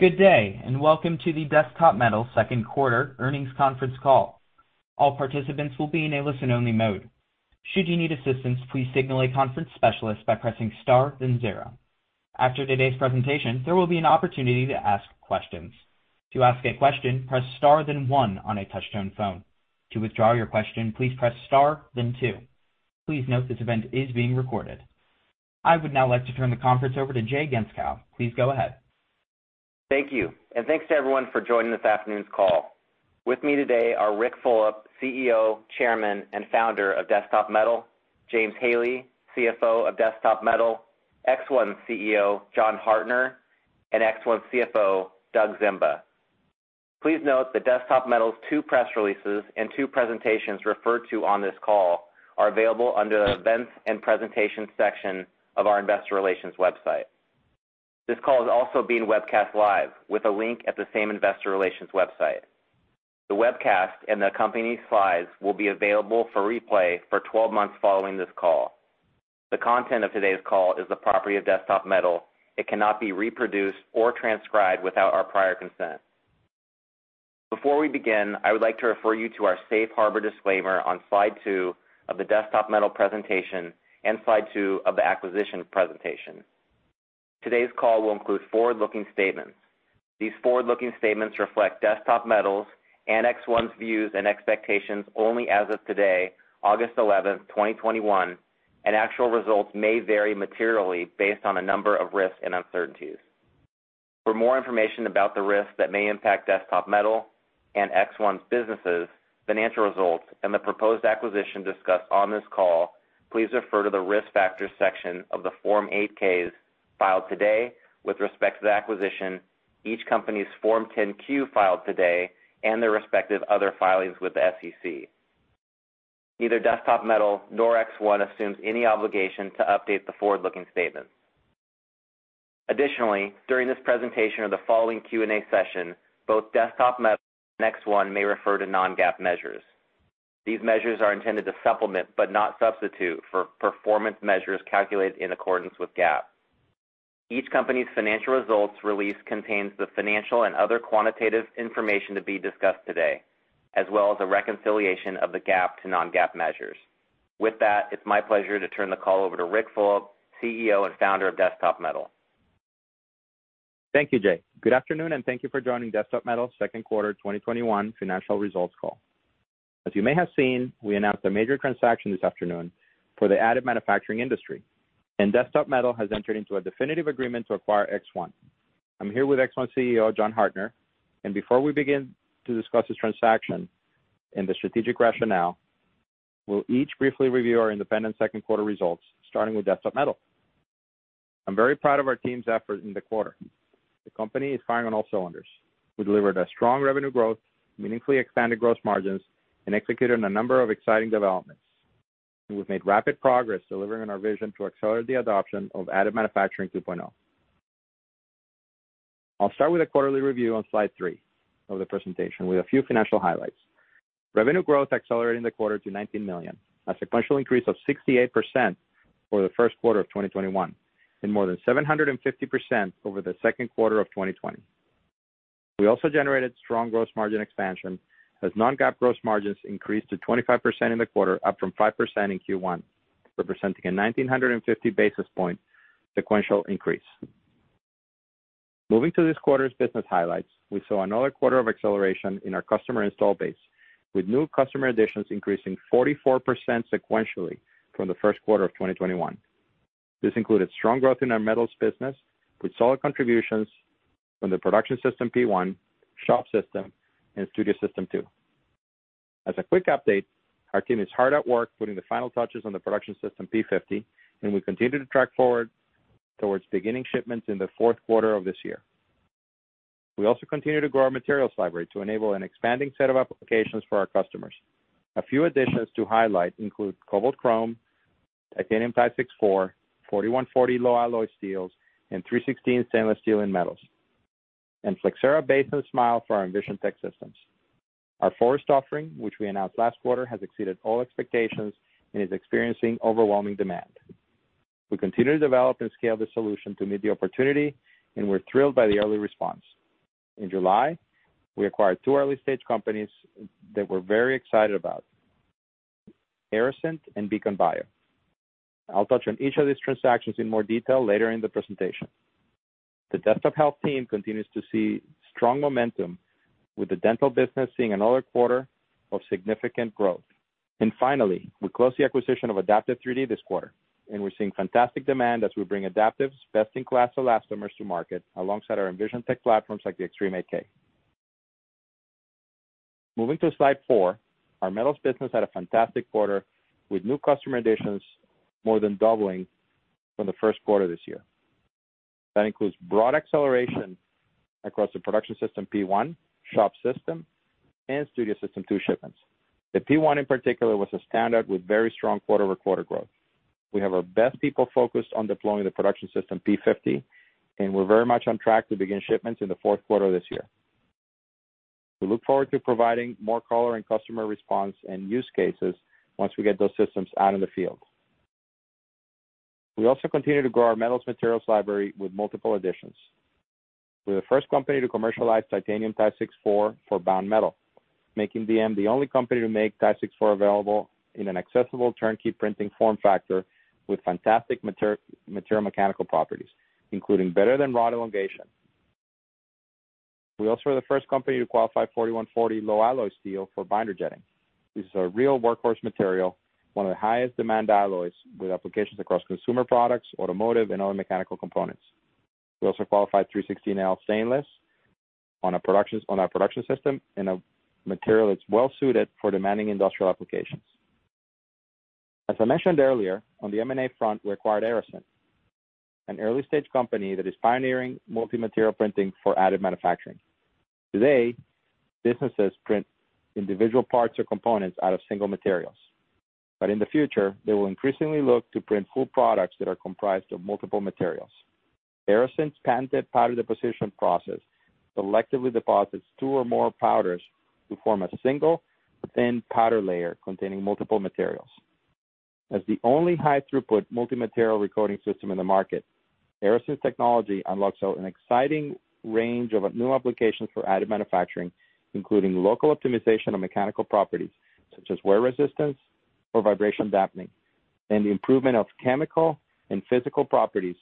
Good day, and welcome to the Desktop Metal second quarter earnings conference call. All participants will be in a listen-only mode. Should you need assistance, please signal a conference specialist by pressing star then zero. After today's presentation, there will be an opportunity to ask questions. To ask a question, press star then one on a touch-tone phone. To withdraw your question, please press star then two. Please note this event is being recorded. I would now like to turn the conference over to Jay Gentzkow. Please go ahead. Thank you, and thanks to everyone for joining this afternoon's call. With me today are Ric Fulop, CEO, Chairman, and Founder of Desktop Metal, James Haley, CFO of Desktop Metal, ExOne CEO, John Hartner, and ExOne CFO, Doug Zemba. Please note that Desktop Metal's two press releases and two presentations referred to on this call are available under the Events and Presentation section of our Investor Relations website. This call is also being webcast live with a link at the same investor relations website. The webcast and the accompanying slides will be available for replay for 12 months following this call. The content of today's call is the property of Desktop Metal. It cannot be reproduced or transcribed without our prior consent. Before we begin, I would like to refer you to our safe harbor disclaimer on slide two of the Desktop Metal presentation and slide two of the acquisition presentation. Today's call will include forward-looking statements. These forward-looking statements reflect Desktop Metal's and ExOne's views and expectations only as of today, August 11, 2021, and actual results may vary materially based on a number of risks and uncertainties. For more information about the risks that may impact Desktop Metal and ExOne's businesses' financial results and the proposed acquisition discussed on this call, please refer to the Risk Factors section of the Form 8-Ks filed today with respect to the acquisition, each company's Form 10-Q filed today, and their respective other filings with the SEC. Neither Desktop Metal nor ExOne assumes any obligation to update the forward-looking statements. Additionally, during this presentation or the following Q&A session, both Desktop Metal and ExOne may refer to non-GAAP measures. These measures are intended to supplement, but not substitute for, performance measures calculated in accordance with GAAP. Each company's financial results release contains the financial and other quantitative information to be discussed today, as well as a reconciliation of the GAAP to non-GAAP measures. With that, it's my pleasure to turn the call over to Ric Fulop, CEO and founder of Desktop Metal. Thank you, Jay. Good afternoon, and thank you for joining Desktop Metal's second quarter 2021 financial results call. As you may have seen, we announced a major transaction this afternoon for the additive manufacturing industry, Desktop Metal has entered into a definitive agreement to acquire ExOne. I'm here with ExOne CEO, John Hartner, Before we begin to discuss this transaction and the strategic rationale, we'll each briefly review our independent second quarter results, starting with Desktop Metal. I'm very proud of our team's effort in the quarter. The company is firing on all cylinders. We delivered a strong revenue growth, meaningfully expanded gross margins, and executed on a number of exciting developments. We've made rapid progress delivering on our vision to accelerate the adoption of additive manufacturing 2.0. I'll start with a quarterly review on slide three` of the presentation with a few financial highlights. Revenue growth accelerated in the quarter to $19 million, a sequential increase of 68% over the first quarter of 2021, and more than 750% over the second quarter of 2020. We also generated strong gross margin expansion, as non-GAAP gross margins increased to 25% in the quarter, up from 5% in Q1, representing a 1,950 basis point sequential increase. Moving to this quarter's business highlights, we saw another quarter of acceleration in our customer install base, with new customer additions increasing 44% sequentially from the first quarter of 2021. This included strong growth in our metals business with solid contributions from the Production System P-1, Shop System, and Studio System 2. As a quick update, our team is hard at work putting the final touches on the Production System P-50, and we continue to track forward towards beginning shipments in the fourth quarter of this year. We also continue to grow our materials library to enable an expanding set of applications for our customers. A few additions to highlight include cobalt chrome, titanium Ti64, 4140 low-alloy steels, and 316 stainless steel in metals, and Flexcera Base and Smile for our EnvisionTEC systems. Our Forust offering, which we announced last quarter, has exceeded all expectations and is experiencing overwhelming demand. We continue to develop and scale the solution to meet the opportunity, and we're thrilled by the early response. In July, we acquired two early-stage companies that we're very excited about, Aerosint and Beacon Bio. I'll touch on each of these transactions in more detail later in the presentation. The Desktop Health team continues to see strong momentum, with the dental business seeing another quarter of significant growth. Finally, we closed the acquisition of Adaptive3D this quarter, and we're seeing fantastic demand as we bring Adaptive's best-in-class elastomers to market alongside our EnvisionTEC platforms like the Xtreme 8K. Moving to slide four, our metals business had a fantastic quarter, with new customer additions more than doubling from the first quarter this year. That includes broad acceleration across the Production System P-1, Shop System, and Studio System 2 shipments. The P-1 in particular was a standout with very strong quarter-over-quarter growth. We have our best people focused on deploying the Production System P-50, and we're very much on track to begin shipments in the fourth quarter of this year. We look forward to providing more color and customer response and use cases once we get those systems out in the field. We also continue to grow our metals materials library with multiple additions. We're the first company to commercialize titanium Ti64 for bound metal, making DM the only company to make Ti64 available in an accessible turnkey printing form factor with fantastic material mechanical properties, including better than rod elongation. We also are the first company to qualify 4140 low-alloy steel for binder jetting. This is a real workhorse material, one of the highest demand alloys with applications across consumer products, automotive, and other mechanical components. We also qualified 316L stainless on our production system in a material that's well-suited for demanding industrial applications. As I mentioned earlier, on the M&A front, we acquired Aerosint, an early-stage company that is pioneering multi-material printing for additive manufacturing. Today, businesses print individual parts or components out of single materials. In the future, they will increasingly look to print full products that are comprised of multiple materials. Aerosint's patented powder deposition process selectively deposits two or more powders to form a single thin powder layer containing multiple materials. As the only high throughput multi-material recoating system in the market, Aerosint's technology unlocks an exciting range of new applications for additive manufacturing, including local optimization of mechanical properties such as wear resistance or vibration dampening, and the improvement of chemical and physical properties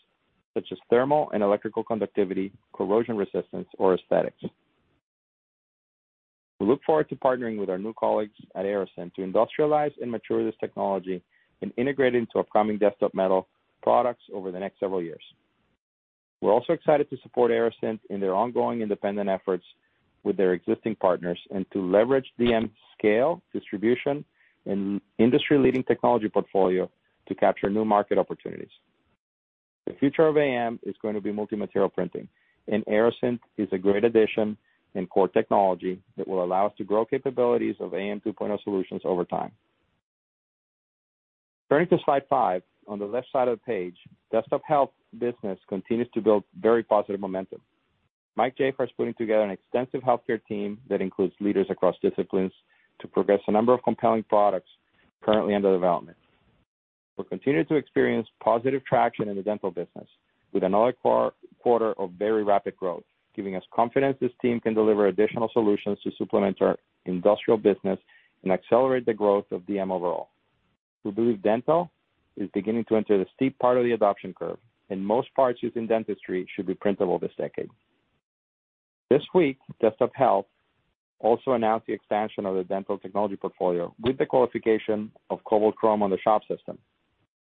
such as thermal and electrical conductivity, corrosion resistance, or aesthetics. We look forward to partnering with our new colleagues at Aerosint to industrialize and mature this technology and integrate into upcoming Desktop Metal products over the next several years. We're also excited to support Aerosint in their ongoing independent efforts with their existing partners and to leverage DM's scale, distribution, and industry-leading technology portfolio to capture new market opportunities. The future of AM is going to be multi-material printing, and Aerosint is a great addition in core technology that will allow us to grow capabilities of AM 2.0 solutions over time. Turning to slide five, on the left side of the page, Desktop Health business continues to build very positive momentum. Mike Jafar is putting together an extensive healthcare team that includes leaders across disciplines to progress a number of compelling products currently under development. We continue to experience positive traction in the dental business with another quarter of very rapid growth, giving us confidence this team can deliver additional solutions to supplement our industrial business and accelerate the growth of DM overall. We believe dental is beginning to enter the steep part of the adoption curve, and most parts used in dentistry should be printable this decade. This week, Desktop Health also announced the expansion of the dental technology portfolio with the qualification of cobalt chrome on the Shop System.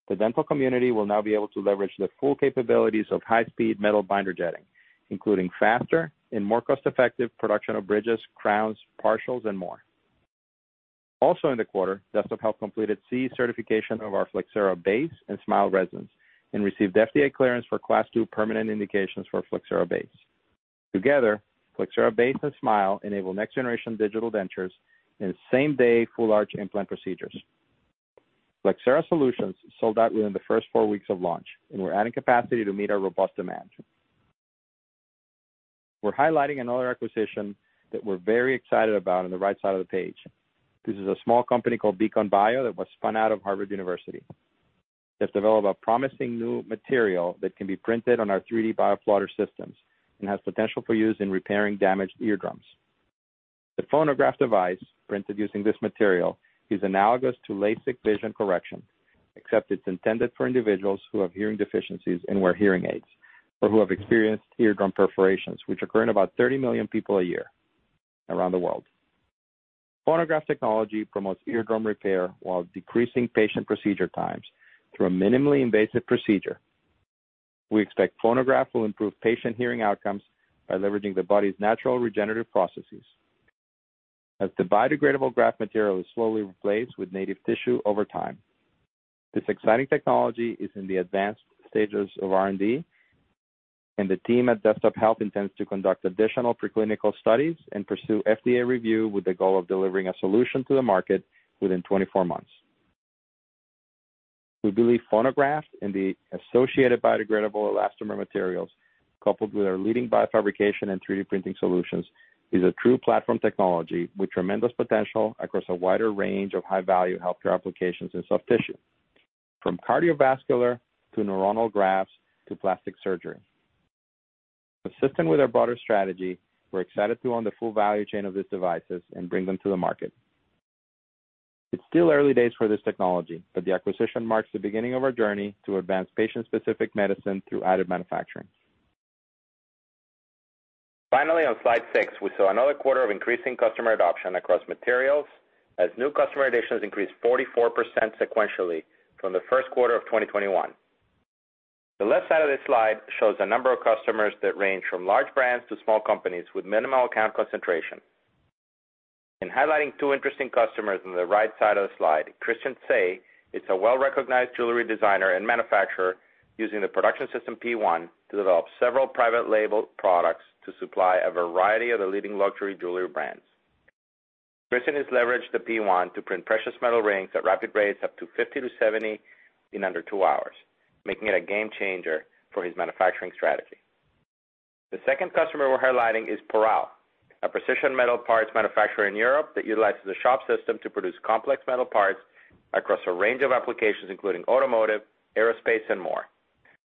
The dental community will now be able to leverage the full capabilities of high-speed metal binder jetting, including faster and more cost-effective production of bridges, crowns, partials, and more. Also in the quarter, Desktop Health completed CE certification of our Flexcera Base and Smile resins and received FDA clearance for Class 2 permanent indications for Flexcera Base. Together, Flexcera Base and Smile enable next-generation digital dentures and same-day full arch implant procedures. Flexcera solutions sold out within the first four weeks of launch, and we're adding capacity to meet our robust demand. We're highlighting another acquisition that we're very excited about on the right side of the page. This is a small company called Beacon Bio that was spun out of Harvard University. They've developed a promising new material that can be printed on our 3D-Bioplotter systems and has potential for use in repairing damaged eardrums. The PhonoGraft device printed using this material is analogous to LASIK vision correction, except it's intended for individuals who have hearing deficiencies and wear hearing aids or who have experienced eardrum perforations, which occur in about 30 million people a year around the world. PhonoGraft technology promotes eardrum repair while decreasing patient procedure times through a minimally invasive procedure. We expect PhonoGraft will improve patient hearing outcomes by leveraging the body's natural regenerative processes as the biodegradable graft material is slowly replaced with native tissue over time. This exciting technology is in the advanced stages of R&D, and the team at Desktop Health intends to conduct additional preclinical studies and pursue FDA review with the goal of delivering a solution to the market within 24 months. We believe PhonoGraft and the associated biodegradable elastomer materials, coupled with our leading biofabrication and 3D printing solutions, is a true platform technology with tremendous potential across a wider range of high-value healthcare applications in soft tissue, from cardiovascular to neuronal grafts to plastic surgery. Consistent with our broader strategy, we're excited to own the full value chain of these devices and bring them to the market. It's still early days for this technology. The acquisition marks the beginning of our journey to advance patient-specific medicine through additive manufacturing. On slide six, we saw another quarter of increasing customer adoption across materials as new customer additions increased 44% sequentially from the first quarter of 2021. The left side of this slide shows the number of customers that range from large brands to small companies with minimal account concentration. In highlighting two interesting customers on the right side of the slide, Christian Tse is a well-recognized jewelry designer and manufacturer using the Production System P-1 to develop several private label products to supply a variety of the leading luxury jewelry brands. Christian has leveraged the P-1 to print precious metal rings at rapid rates up to 50-70 in under two hours, making it a game changer for his manufacturing strategy. The second customer we're highlighting is Poral, a precision metal parts manufacturer in Europe that utilizes the Shop System to produce complex metal parts across a range of applications, including automotive, aerospace, and more.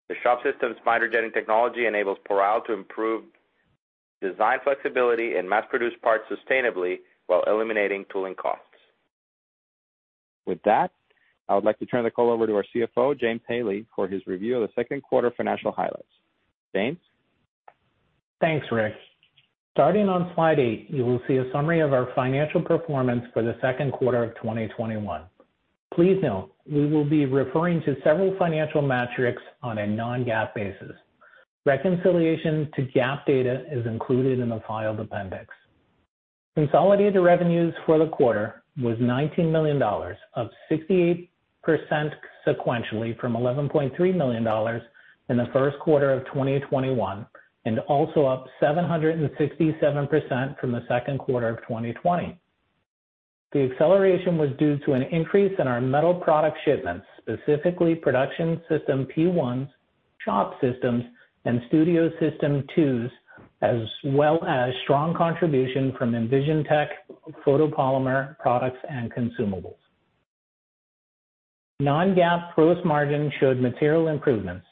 The Shop System's binder jetting technology enables Poral to improve design flexibility and mass-produce parts sustainably while eliminating tooling costs. With that, I would like to turn the call over to our CFO, James Haley, for his review of the second quarter financial highlights. James? Thanks, Ric. Starting on slide eight, you will see a summary of our financial performance for the second quarter of 2021. Please note we will be referring to several financial metrics on a non-GAAP basis. Reconciliation to GAAP data is included in the filed appendix. Consolidated revenues for the quarter was $19 million, up 68% sequentially from $11.3 million in the first quarter of 2021, and also up 767% from the second quarter of 2020. The acceleration was due to an increase in our metal product shipments, specifically Production System P-1s, Shop Systems, and Studio System 2s, as well as strong contribution from EnvisionTEC photopolymer products and consumables. Non-GAAP gross margin showed material improvements,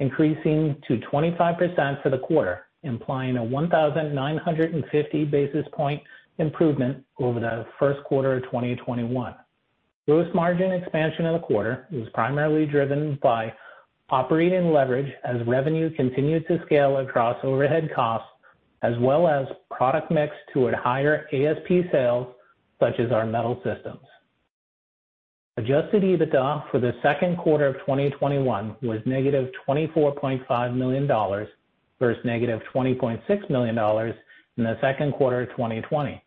increasing to 25% for the quarter, implying a 1,950-basis point improvement over the first quarter of 2021. Gross margin expansion in the quarter was primarily driven by operating leverage as revenue continued to scale across overhead costs, as well as product mix to higher ASP sales, such as our metal systems. Adjusted EBITDA for the second quarter of 2021 was $-24.5 million versus $-20.6 million in the second quarter of 2020.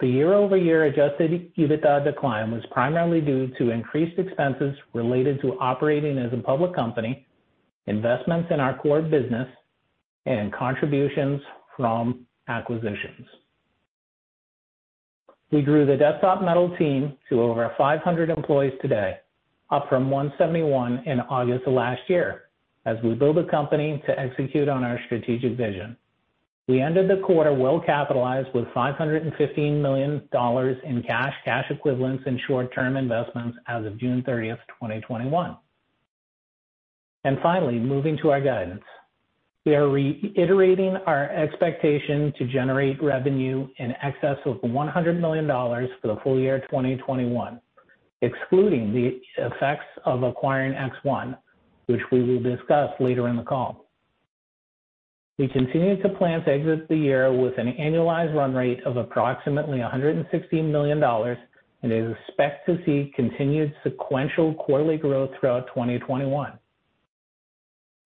The year-over-year adjusted EBITDA decline was primarily due to increased expenses related to operating as a public company, investments in our core business, and contributions from acquisitions. We grew the Desktop Metal team to over 500 employees today, up from 171 in August of last year, as we build a company to execute on our strategic vision. We ended the quarter well-capitalized with $515 million in cash equivalents, and short-term investments as of June 30th, 2021. Finally, moving to our guidance. We are reiterating our expectation to generate revenue in excess of $100 million for the full year 2021, excluding the effects of acquiring ExOne, which we will discuss later in the call. We continue to plan to exit the year with an annualized run rate of approximately $116 million and expect to see continued sequential quarterly growth throughout 2021.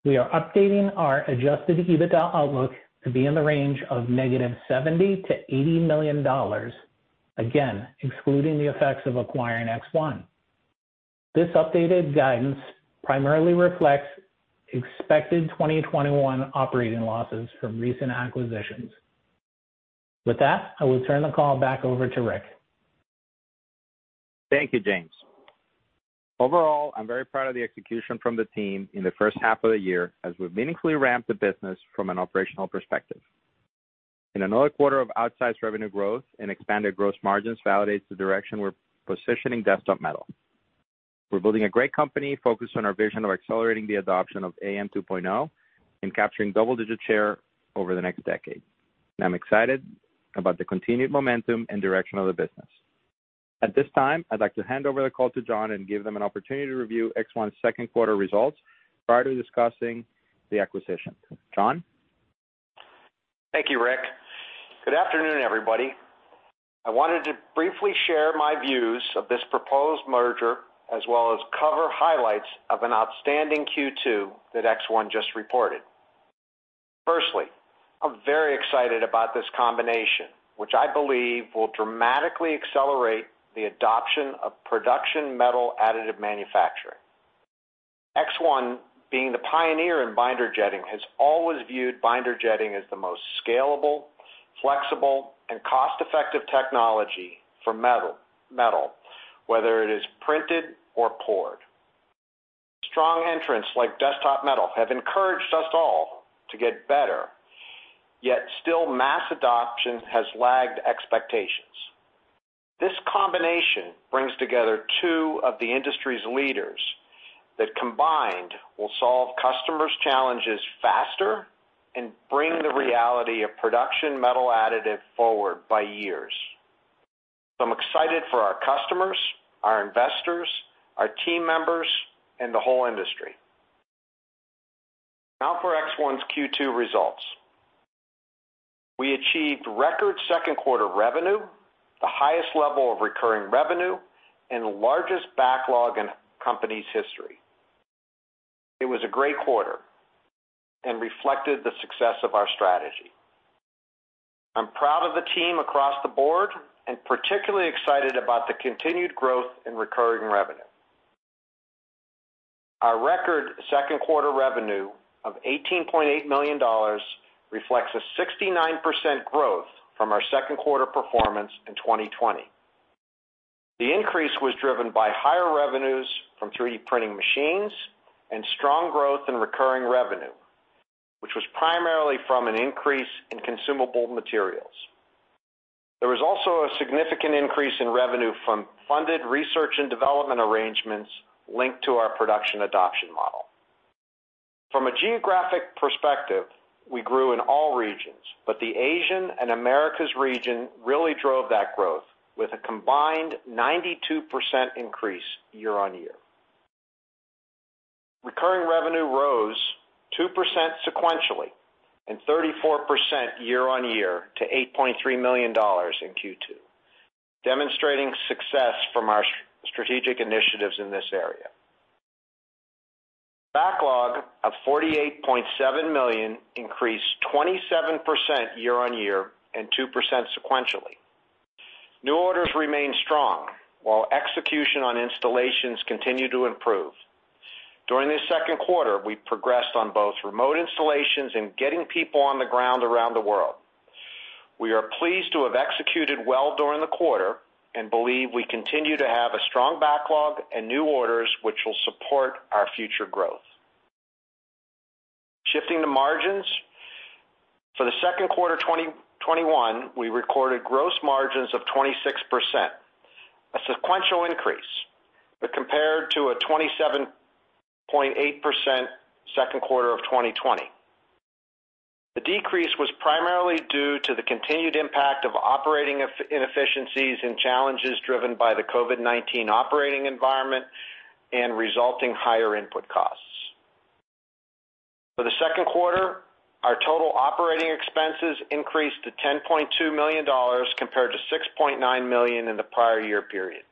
We are updating our adjusted EBITDA outlook to be in the range of $-70 million-$80 million, again, excluding the effects of acquiring ExOne. This updated guidance primarily reflects expected 2021 operating losses from recent acquisitions. With that, I will turn the call back over to Ric. Thank you, James. Overall, I'm very proud of the execution from the team in the first half of the year as we've meaningfully ramped the business from an operational perspective. Another quarter of outsized revenue growth and expanded gross margins validates the direction we're positioning Desktop Metal. We're building a great company focused on our vision of accelerating the adoption of AM2.0 and capturing double-digit share over the next decade. I'm excited about the continued momentum and direction of the business. At this time, I'd like to hand over the call to John and give them an opportunity to review ExOne's second quarter results prior to discussing the acquisition. John? Thank you, Ric. Good afternoon, everybody. I wanted to briefly share my views of this proposed merger as well as cover highlights of an outstanding Q2 that ExOne just reported. Firstly, I'm very excited about this combination, which I believe will dramatically accelerate the adoption of production metal additive manufacturing. ExOne, being the pioneer in binder jetting, has always viewed binder jetting as the most scalable, flexible, and cost-effective technology for metal, whether it is printed or poured. Strong entrants like Desktop Metal have encouraged us all to get better, yet still mass adoption has lagged expectations. This combination brings together two of the industry's leaders that combined will solve customers' challenges faster and bring the reality of production metal additive forward by years. I'm excited for our customers, our investors, our team members, and the whole industry. Now for ExOne's Q2 results. We achieved record second quarter revenue, the highest level of recurring revenue, and the largest backlog in company's history. It was a great quarter and reflected the success of our strategy. I'm proud of the team across the board, and particularly excited about the continued growth in recurring revenue. Our record second quarter revenue of $18.8 million reflects a 69% growth from our second quarter performance in 2020. The increase was driven by higher revenues from 3D printing machines and strong growth in recurring revenue, which was primarily from an increase in consumable materials. There was also a significant increase in revenue from funded research and development arrangements linked to our production adoption model. From a geographic perspective, we grew in all regions, but the Asian and Americas region really drove that growth with a combined 92% increase year-over-year. Recurring revenue rose 2% sequentially and 34% year-on-year to $8.3 million in Q2, demonstrating success from our strategic initiatives in this area. Backlog of $48.7 million increased 27% year-on-year and 2% sequentially. New orders remain strong while execution on installations continue to improve. During this second quarter, we progressed on both remote installations and getting people on the ground around the world. We are pleased to have executed well during the quarter and believe we continue to have a strong backlog and new orders, which will support our future growth. Shifting to margins. For the second quarter 2021, we recorded gross margins of 26%, a sequential increase, compared to a 27.8% second quarter of 2020. The decrease was primarily due to the continued impact of operating inefficiencies and challenges driven by the COVID-19 operating environment and resulting higher input costs. For the second quarter, our total operating expenses increased to $10.2 million compared to $6.9 million in the prior year period.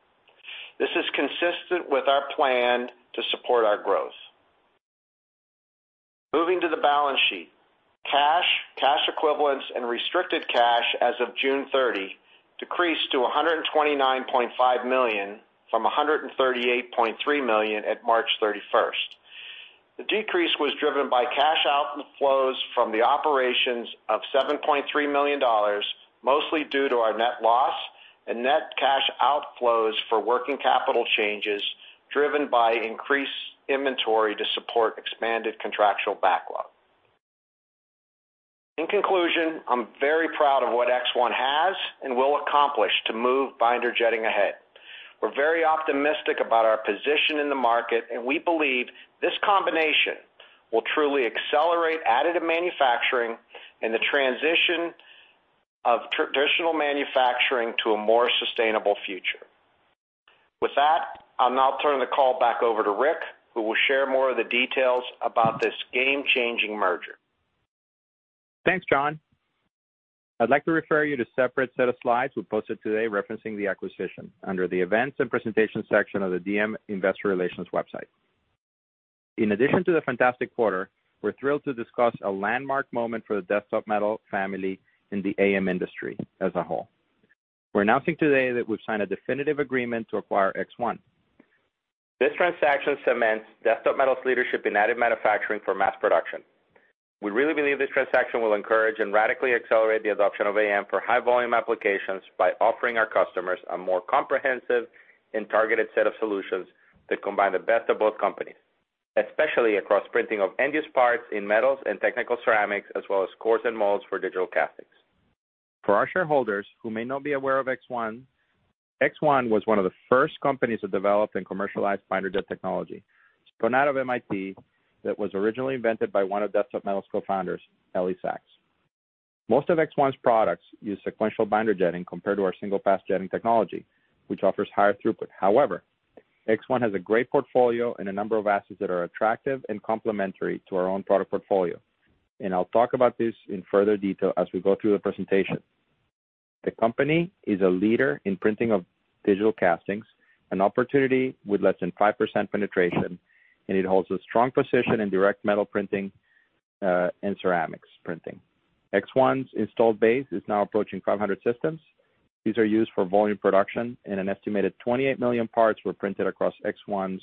This is consistent with our plan to support our growth. Moving to the balance sheet. Cash, cash equivalents, and restricted cash as of June 30 decreased to $129.5 million from $138.3 million at March 31st. The decrease was driven by cash outflows from the operations of $7.3 million, mostly due to our net loss and net cash outflows for working capital changes driven by increased inventory to support expanded contractual backlog. In conclusion, I'm very proud of what ExOne has and will accomplish to move binder jetting ahead. We're very optimistic about our position in the market, and we believe this combination will truly accelerate additive manufacturing and the transition of traditional manufacturing to a more sustainable future. With that, I'll now turn the call back over to Ric, who will share more of the details about this game-changing merger. Thanks, John. I'd like to refer you to a separate set of slides we posted today referencing the acquisition under the Events and Presentation section of the DM investor relations website. In addition to the fantastic quarter, we're thrilled to discuss a landmark moment for the Desktop Metal family in the AM industry as a whole. We're announcing today that we've signed a definitive agreement to acquire ExOne. This transaction cements Desktop Metal's leadership in additive manufacturing for mass production. We really believe this transaction will encourage and radically accelerate the adoption of AM for high volume applications by offering our customers a more comprehensive and targeted set of solutions that combine the best of both companies, especially across printing of endless parts in metals and technical ceramics, as well as cores and molds for digital castings. For our shareholders who may not be aware of ExOne was one of the first companies to develop and commercialize binder jet technology, spun out of MIT, that was originally invented by one of Desktop Metal's co-founders, Ely Sachs. Most of ExOne's products use sequential binder jetting compared to our single-pass jetting technology, which offers higher throughput. ExOne has a great portfolio and a number of assets that are attractive and complementary to our own product portfolio. I'll talk about this in further detail as we go through the presentation. The company is a leader in printing of digital castings, an opportunity with less than 5% penetration, and it holds a strong position in direct metal printing, and ceramics printing. ExOne's installed base is now approaching 500 systems. These are used for volume production, and an estimated 28 million parts were printed across ExOne's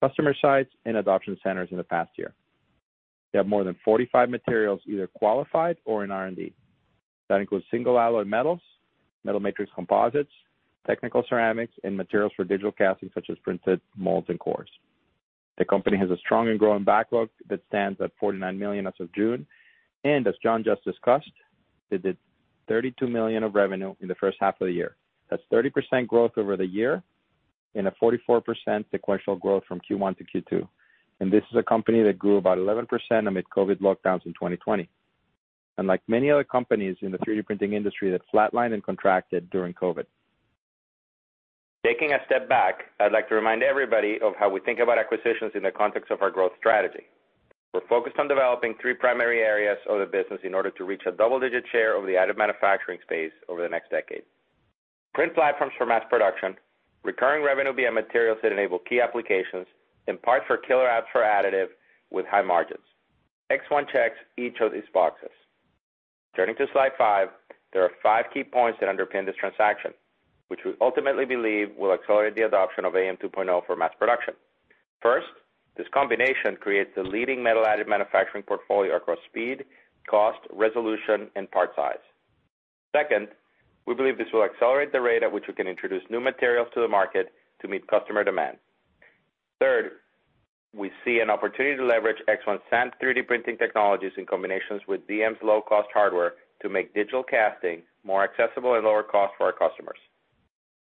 customer sites and adoption centers in the past year. They have more than 45 materials either qualified or in R&D. That includes single alloy metals, metal matrix composites, technical ceramics, and materials for digital casting, such as printed molds and cores. The company has a strong and growing backlog that stands at $49 million as of June, and as John just discussed, they did $32 million of revenue in the first half of the year. That's 30% growth over the year and a 44% sequential growth from Q1 to Q2. This is a company that grew about 11% amid COVID lockdowns in 2020, unlike many other companies in the 3D printing industry that flatlined and contracted during COVID. Taking a step back, I'd like to remind everybody of how we think about acquisitions in the context of our growth strategy. We're focused on developing three primary areas of the business in order to reach a double-digit share of the additive manufacturing space over the next decade. Print platforms for mass production, recurring revenue via materials that enable key applications, and parts for killer apps for additive with high margins. ExOne checks each of these boxes. Turning to slide five, there are five key points that underpin this transaction, which we ultimately believe will accelerate the adoption of AM 2.0 for mass production. First, this combination creates the leading metal additive manufacturing portfolio across speed, cost, resolution, and part size. Second, we believe this will accelerate the rate at which we can introduce new materials to the market to meet customer demand. Third, we see an opportunity to leverage ExOne's sand 3D printing technologies in combinations with DM's low-cost hardware to make digital casting more accessible and lower cost for our customers.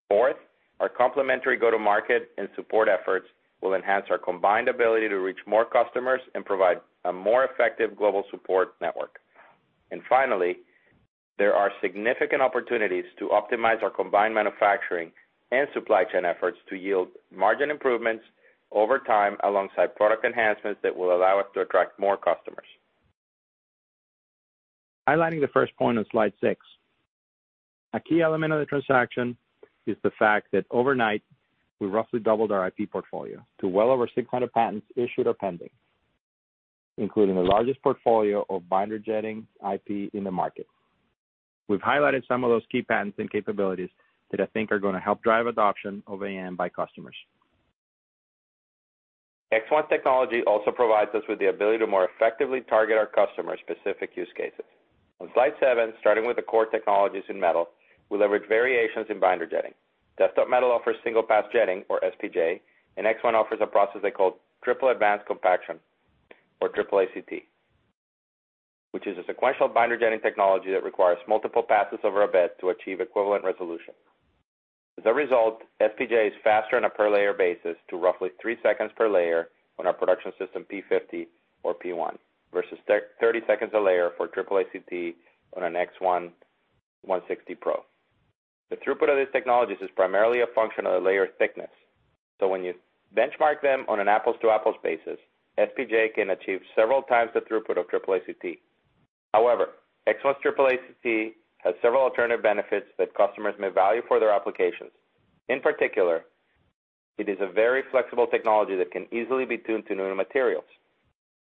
Fourth, our complementary go-to-market and support efforts will enhance our combined ability to reach more customers and provide a more effective global support network. Finally, there are significant opportunities to optimize our combined manufacturing and supply chain efforts to yield margin improvements over time, alongside product enhancements that will allow us to attract more customers. Highlighting the first point on slide six. A key element of the transaction is the fact that overnight, we roughly doubled our IP portfolio to well over 600 patents issued or pending, including the largest portfolio of binder jetting IP in the market. We've highlighted some of those key patents and capabilities that I think are going to help drive adoption of AM by customers. ExOne technology also provides us with the ability to more effectively target our customer-specific use cases. On slide seven, starting with the core technologies in metal, we leverage variations in binder jetting. Desktop Metal offers single-pass jetting, or SPJ, and ExOne offers a process they call Triple Advanced Compaction, or Triple-ACT, which is a sequential binder jetting technology that requires multiple passes over a bed to achieve equivalent resolution. As a result, SPJ is faster on a per layer basis to roughly three seconds per layer on our Production System P-50 or P-1 versus 30 seconds a layer for Triple-ACT on an X1 160PRO. The throughput of these technologies is primarily a function of the layer thickness. When you benchmark them on an apples-to-apples basis, SPJ can achieve several times the throughput of Triple-ACT. However, ExOne's Triple-ACT has several alternative benefits that customers may value for their applications. In particular, it is a very flexible technology that can easily be tuned to new materials.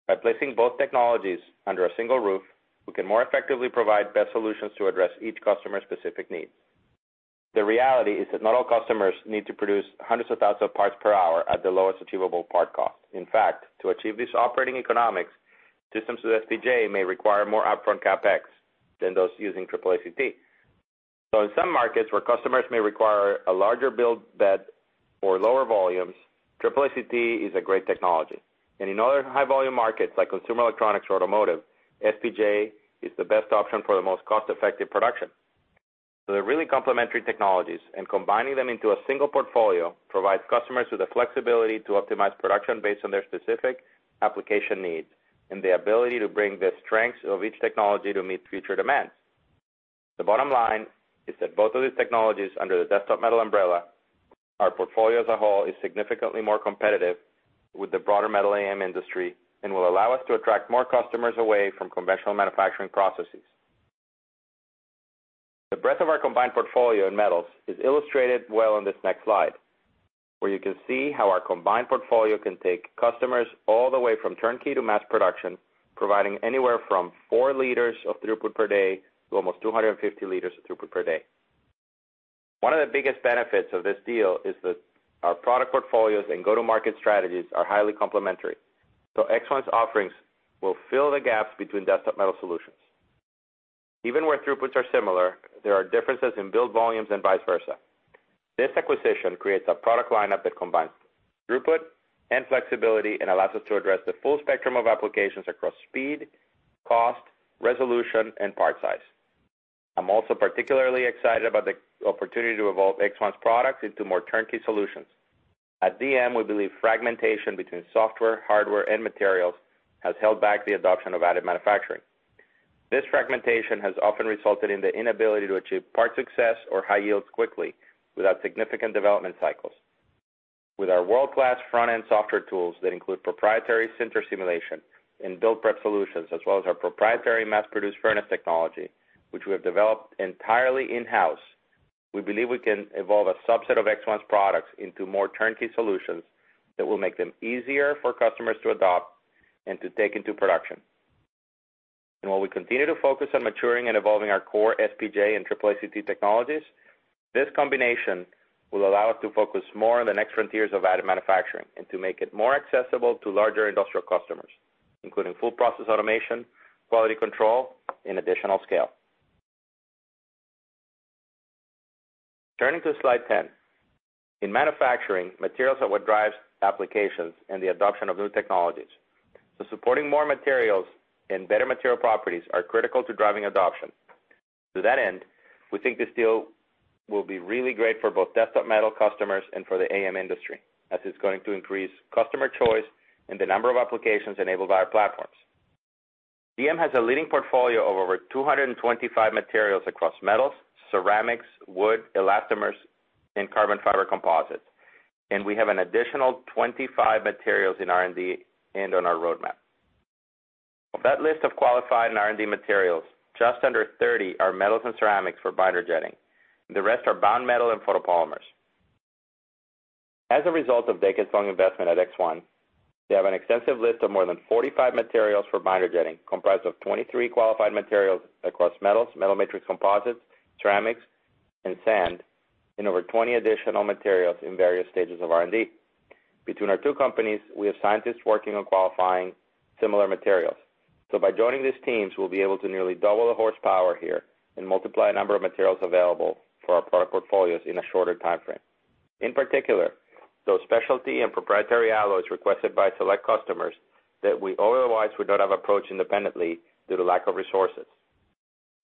By placing both technologies under a single roof, we can more effectively provide best solutions to address each customer's specific needs. The reality is that not all customers need to produce hundreds of thousands of parts per hour at the lowest achievable part cost. In fact, to achieve these operating economics, systems with SPJ may require more upfront CapEx than those using Triple-ACT. In some markets where customers may require a larger build bed or lower volumes, Triple-ACT is a great technology. In other high volume markets like consumer electronics or automotive, SPJ is the best option for the most cost-effective production. They're really complementary technologies, and combining them into a single portfolio provides customers with the flexibility to optimize production based on their specific application needs and the ability to bring the strengths of each technology to meet future demands. The bottom line is that both of these technologies under the Desktop Metal umbrella, our portfolio as a whole is significantly more competitive with the broader metal AM industry and will allow us to attract more customers away from conventional manufacturing processes. The breadth of our combined portfolio in metals is illustrated well on this next slide, where you can see how our combined portfolio can take customers all the way from turnkey to mass production, providing anywhere from 4 L of throughput per day to almost 250 L of throughput per day. One of the biggest benefits of this deal is that our product portfolios and go-to-market strategies are highly complementary. ExOne's offerings will fill the gaps between Desktop Metal solutions. Even where throughputs are similar, there are differences in build volumes and vice versa. This acquisition creates a product lineup that combines throughput and flexibility and allows us to address the full spectrum of applications across speed, cost, resolution, and part size. I'm also particularly excited about the opportunity to evolve ExOne's products into more turnkey solutions. At DM, we believe fragmentation between software, hardware, and materials has held back the adoption of additive manufacturing. This fragmentation has often resulted in the inability to achieve part success or high yields quickly without significant development cycles. With our world-class front-end software tools that include proprietary sinter simulation and build prep solutions, as well as our proprietary mass-produced furnace technology, which we have developed entirely in-house, we believe we can evolve a subset of ExOne's products into more turnkey solutions that will make them easier for customers to adopt and to take into production. While we continue to focus on maturing and evolving our core SPJ and Triple-ACT technologies, this combination will allow us to focus more on the next frontiers of additive manufacturing and to make it more accessible to larger industrial customers, including full process automation, quality control, and additional scale. Turning to slide 10. In manufacturing, materials are what drives applications and the adoption of new technologies. Supporting more materials and better material properties are critical to driving adoption. To that end, we think this deal will be really great for both Desktop Metal customers and for the AM industry, as it's going to increase customer choice and the number of applications enabled by our platforms. DM has a leading portfolio of over 225 materials across metals, ceramics, wood, elastomers, and carbon fiber composites, and we have an additional 25 materials in R&D and on our roadmap. Of that list of qualified and R&D materials, just under 30 are metals and ceramics for binder jetting, and the rest are bound metal and photopolymers. As a result of decades-long investment at ExOne, they have an extensive list of more than 45 materials for binder jetting, comprised of 23 qualified materials across metals, metal matrix composites, ceramics, and sand in over 20 additional materials in various stages of R&D. Between our two companies, we have scientists working on qualifying similar materials. By joining these teams, we'll be able to nearly double the horsepower here and multiply the number of materials available for our product portfolios in a shorter timeframe. In particular, those specialty and proprietary alloys requested by select customers that we otherwise would not have approached independently due to lack of resources.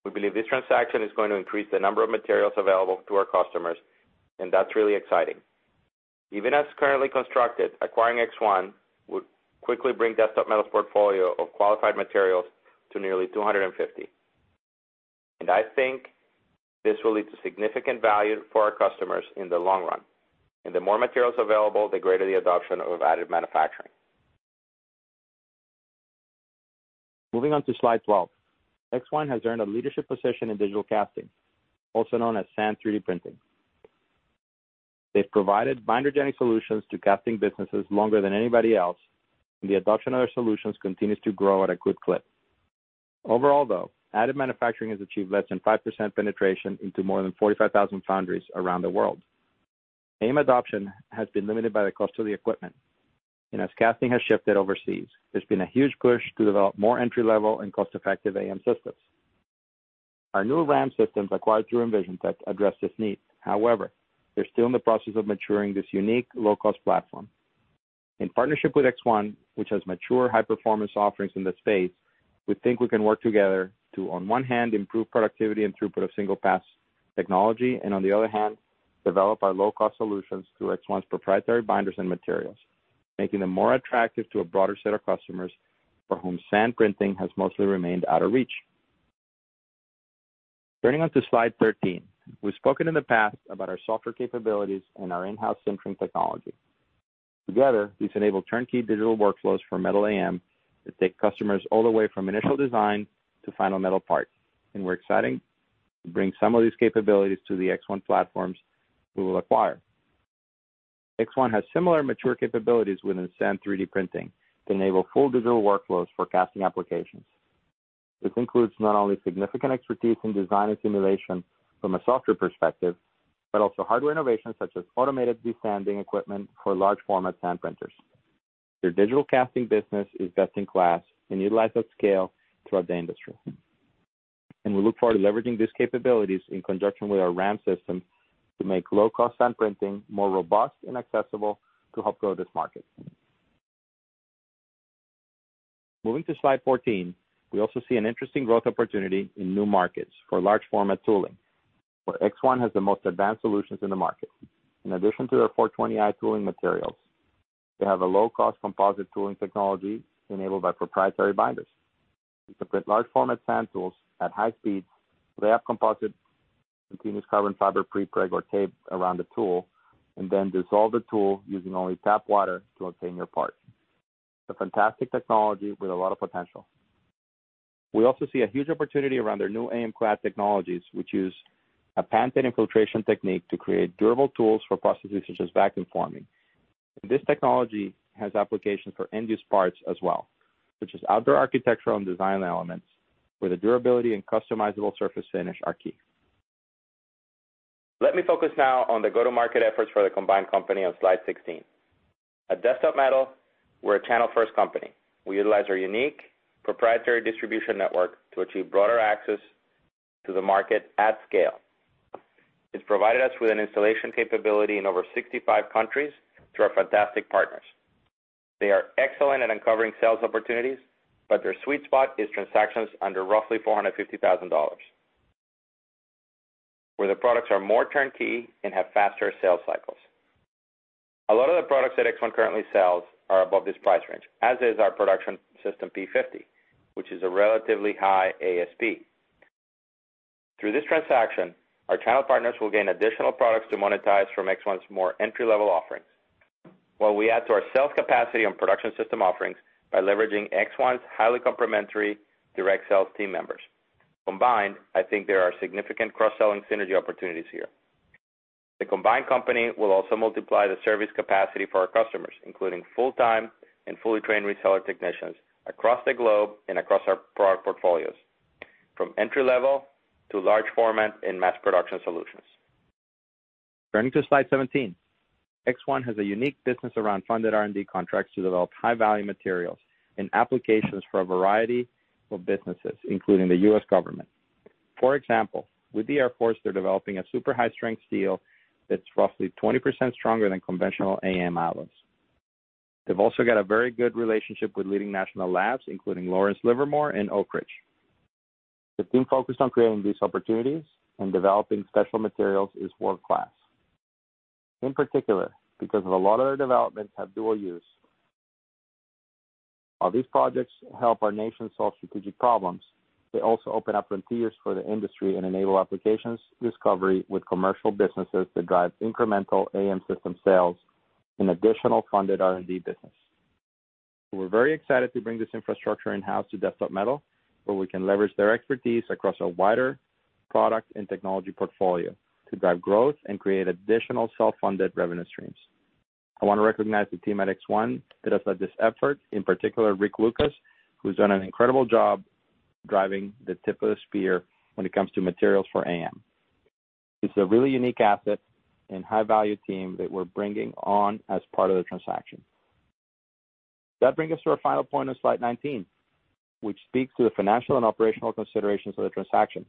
We believe this transaction is going to increase the number of materials available to our customers, and that's really exciting. Even as currently constructed, acquiring ExOne would quickly bring Desktop Metal's portfolio of qualified materials to nearly 250. I think this will lead to significant value for our customers in the long run. The more materials available, the greater the adoption of additive manufacturing. Moving on to slide 12. ExOne has earned a leadership position in digital casting, also known as sand 3D printing. They've provided binder jetting solutions to casting businesses longer than anybody else, and the adoption of their solutions continues to grow at a good clip. Overall, though, additive manufacturing has achieved less than 5% penetration into more than 45,000 foundries around the world. AM adoption has been limited by the cost of the equipment. As casting has shifted overseas, there's been a huge push to develop more entry-level and cost-effective AM systems. Our newer RAM systems acquired through EnvisionTEC address this need. However, they're still in the process of maturing this unique, low-cost platform. In partnership with ExOne, which has mature high-performance offerings in this space, we think we can work together to, on one hand, improve productivity and throughput of single-pass technology and on the other hand, develop our low-cost solutions through ExOne's proprietary binders and materials, making them more attractive to a broader set of customers for whom sand printing has mostly remained out of reach. Turning on to slide 13. We've spoken in the past about our software capabilities and our in-house sintering technology. Together, these enable turnkey digital workflows for metal AM that take customers all the way from initial design to final metal part, and we're excited to bring some of these capabilities to the ExOne platforms we will acquire. ExOne has similar mature capabilities within sand 3D printing to enable full digital workflows for casting applications. This includes not only significant expertise in design and simulation from a software perspective, but also hardware innovations such as automated desanding equipment for large format sand printers. Their digital casting business is best in class and utilized at scale throughout the industry. We look forward to leveraging these capabilities in conjunction with our RAM system to make low-cost sand printing more robust and accessible to help grow this market. Moving to slide 14. We also see an interesting growth opportunity in new markets for large format tooling, where ExOne has the most advanced solutions in the market. In addition to their 420i tooling materials, they have a low-cost composite tooling technology enabled by proprietary binders. You can print large format sand tools at high speeds, lay up composite continuous carbon fiber prepreg or tape around the tool, and then dissolve the tool using only tap water to obtain your part. It's a fantastic technology with a lot of potential. We also see a huge opportunity around their new AMclad technologies, which use a patented infiltration technique to create durable tools for processes such as vacuum forming. This technology has applications for end-use parts as well, such as outdoor architectural and design elements, where the durability and customizable surface finish are key. Let me focus now on the go-to-market efforts for the combined company on slide 16. At Desktop Metal, we're a channel-first company. We utilize our unique proprietary distribution network to achieve broader access to the market at scale. It's provided us with an installation capability in over 65 countries through our fantastic partners. They are excellent at uncovering sales opportunities, but their sweet spot is transactions under roughly $450,000, where the products are more turnkey and have faster sales cycles. A lot of the products that ExOne currently sells are above this price range, as is our Production System P-50, which is a relatively high ASP. Through this transaction, our channel partners will gain additional products to monetize from ExOne's more entry-level offerings. We add to our sales capacity on production system offerings by leveraging ExOne's highly complementary direct sales team members. Combined, I think there are significant cross-selling synergy opportunities here. The combined company will also multiply the service capacity for our customers, including full-time and fully trained reseller technicians across the globe and across our product portfolios, from entry-level to large format and mass production solutions. Turning to slide 17. ExOne has a unique business around funded R&D contracts to develop high-value materials and applications for a variety of businesses, including the U.S. government. For example, with the Air Force, they're developing a super high-strength steel that's roughly 20% stronger than conventional AM alloys. They've also got a very good relationship with leading national labs, including Lawrence Livermore and Oak Ridge. The team focused on creating these opportunities and developing special materials is world-class. In particular, because of a lot of their developments have dual use. While these projects help our nation solve strategic problems, they also open up frontiers for the industry and enable applications discovery with commercial businesses that drive incremental AM system sales and additional funded R&D business. We're very excited to bring this infrastructure in-house to Desktop Metal, where we can leverage their expertise across a wider product and technology portfolio to drive growth and create additional self-funded revenue streams. I want to recognize the team at ExOne that has led this effort, in particular Rick Lucas, who's done an incredible job driving the tip of the spear when it comes to materials for AM. This is a really unique asset and high-value team that we're bringing on as part of the transaction. That brings us to our final point on slide 19, which speaks to the financial and operational considerations of the transaction.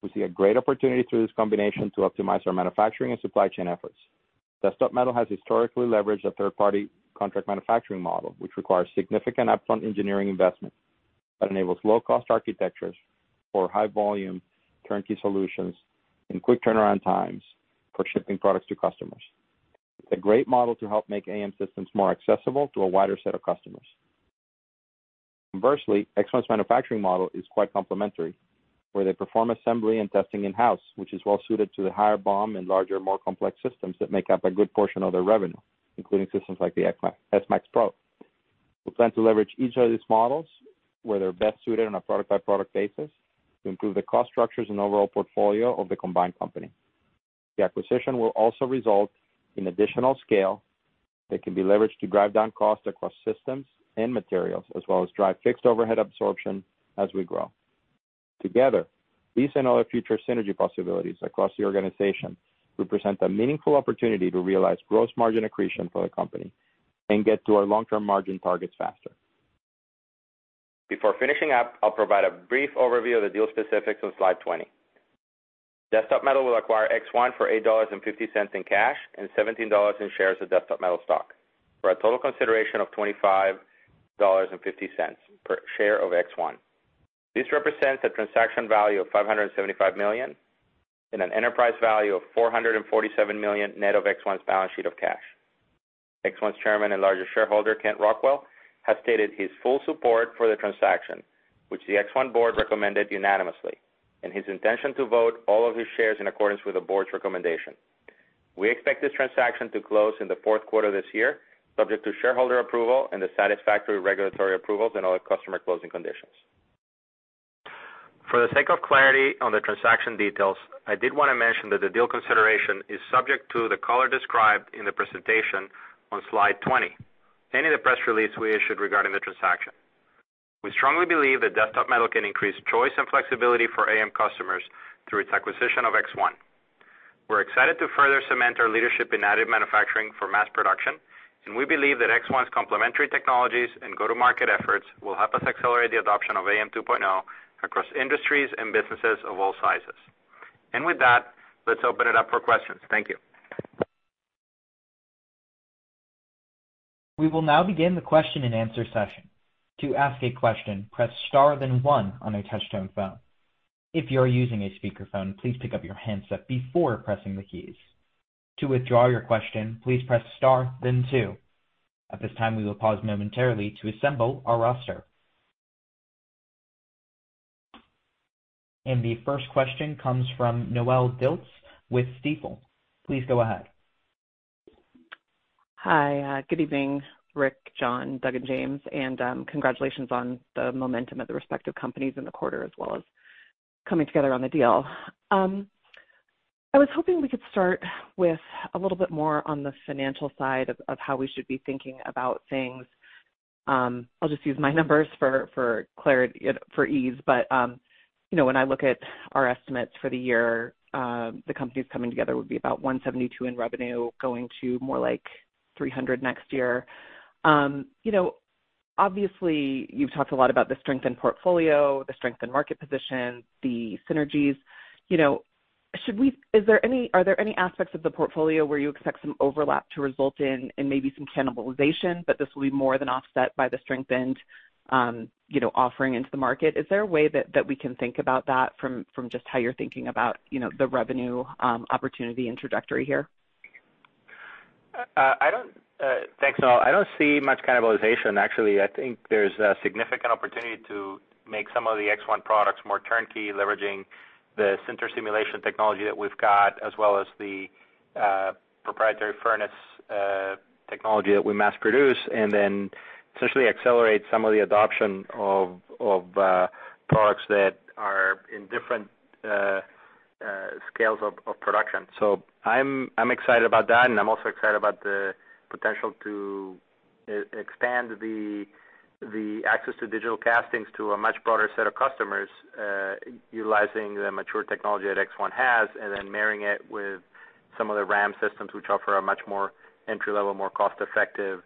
We see a great opportunity through this combination to optimize our manufacturing and supply chain efforts. Desktop Metal has historically leveraged a third-party contract manufacturing model, which requires significant upfront engineering investment that enables low-cost architectures for high-volume turnkey solutions and quick turnaround times for shipping products to customers. It's a great model to help make AM systems more accessible to a wider set of customers. Conversely, ExOne's manufacturing model is quite complementary, where they perform assembly and testing in-house, which is well suited to the higher BOM and larger, more complex systems that make up a good portion of their revenue, including systems like the S-MAX Pro. We plan to leverage each of these models where they're best suited on a product-by-product basis to improve the cost structures and overall portfolio of the combined company. The acquisition will also result in additional scale that can be leveraged to drive down costs across systems and materials, as well as drive fixed overhead absorption as we grow. Together, these and other future synergy possibilities across the organization represent a meaningful opportunity to realize gross margin accretion for the company and get to our long-term margin targets faster. Before finishing up, I'll provide a brief overview of the deal specifics on slide 20. Desktop Metal will acquire ExOne for $8.50 in cash and $17 in shares of Desktop Metal stock for a total consideration of $25.50 per share of ExOne. This represents a transaction value of $575 million and an enterprise value of $447 million net of ExOne's balance sheet of cash. ExOne's chairman and largest shareholder, Kent Rockwell, has stated his full support for the transaction, which the ExOne board recommended unanimously, and his intention to vote all of his shares in accordance with the board's recommendation. We expect this transaction to close in the fourth quarter of this year, subject to shareholder approval and the satisfactory regulatory approvals and all customer closing conditions. For the sake of clarity on the transaction details, I did want to mention that the deal consideration is subject to the color described in the presentation on slide 20 and in the press release we issued regarding the transaction. We strongly believe that Desktop Metal can increase choice and flexibility for AM customers through its acquisition of ExOne. We're excited to further cement our leadership in additive manufacturing for mass production, and we believe that ExOne's complementary technologies and go-to-market efforts will help us accelerate the adoption of AM 2.0 across industries and businesses of all sizes. With that, let's open it up for questions. Thank you. We will now begin the question-and-answer session. To ask a question, press star then one on a touch-tone phone. If you're using a speakerphone, please pick up your handset before pressing the keys. To withdraw your question, please press star then two. At this time, we will pause momentarily to assemble our roster. The first question comes from Noelle Dilts with Stifel. Please go ahead. Hi. Good evening, Ric, John, Doug, and James, and congratulations on the momentum of the respective companies in the quarter, as well as coming together on the deal. I was hoping we could start with a little bit more on the financial side of how we should be thinking about things. I'll just use my numbers for ease. When I look at our estimates for the year, the companies coming together would be about $172 in revenue, going to more like $300 next year. Obviously, you've talked a lot about the strength in portfolio, the strength in market position, the synergies. Are there any aspects of the portfolio where you expect some overlap to result in maybe some cannibalization, but this will be more than offset by the strengthened offering into the market? Is there a way that we can think about that from just how you're thinking about the revenue opportunity introductory here? Thanks, Noelle. I don't see much cannibalization, actually. I think there's a significant opportunity to make some of the ExOne products more turnkey, leveraging the sinter simulation technology that we've got, as well as the proprietary furnace technology that we mass produce, and then essentially accelerate some of the adoption of products that are in different scales of production. I'm excited about that, and I'm also excited about the potential to expand the access to digital castings to a much broader set of customers, utilizing the mature technology that ExOne has, and then marrying it with some of the RAM systems which offer a much more entry-level, more cost-effective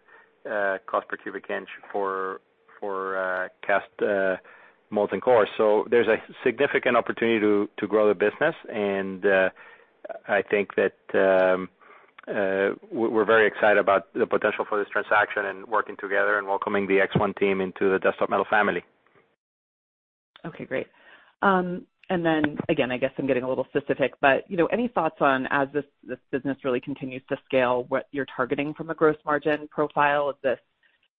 cost per cubic inch for cast molten cores. There's a significant opportunity to grow the business, and I think that we're very excited about the potential for this transaction and working together and welcoming the ExOne team into the Desktop Metal family. Okay, great. Then again, I guess I'm getting a little specific, but any thoughts on as this business really continues to scale, what you're targeting from a gross margin profile? Is this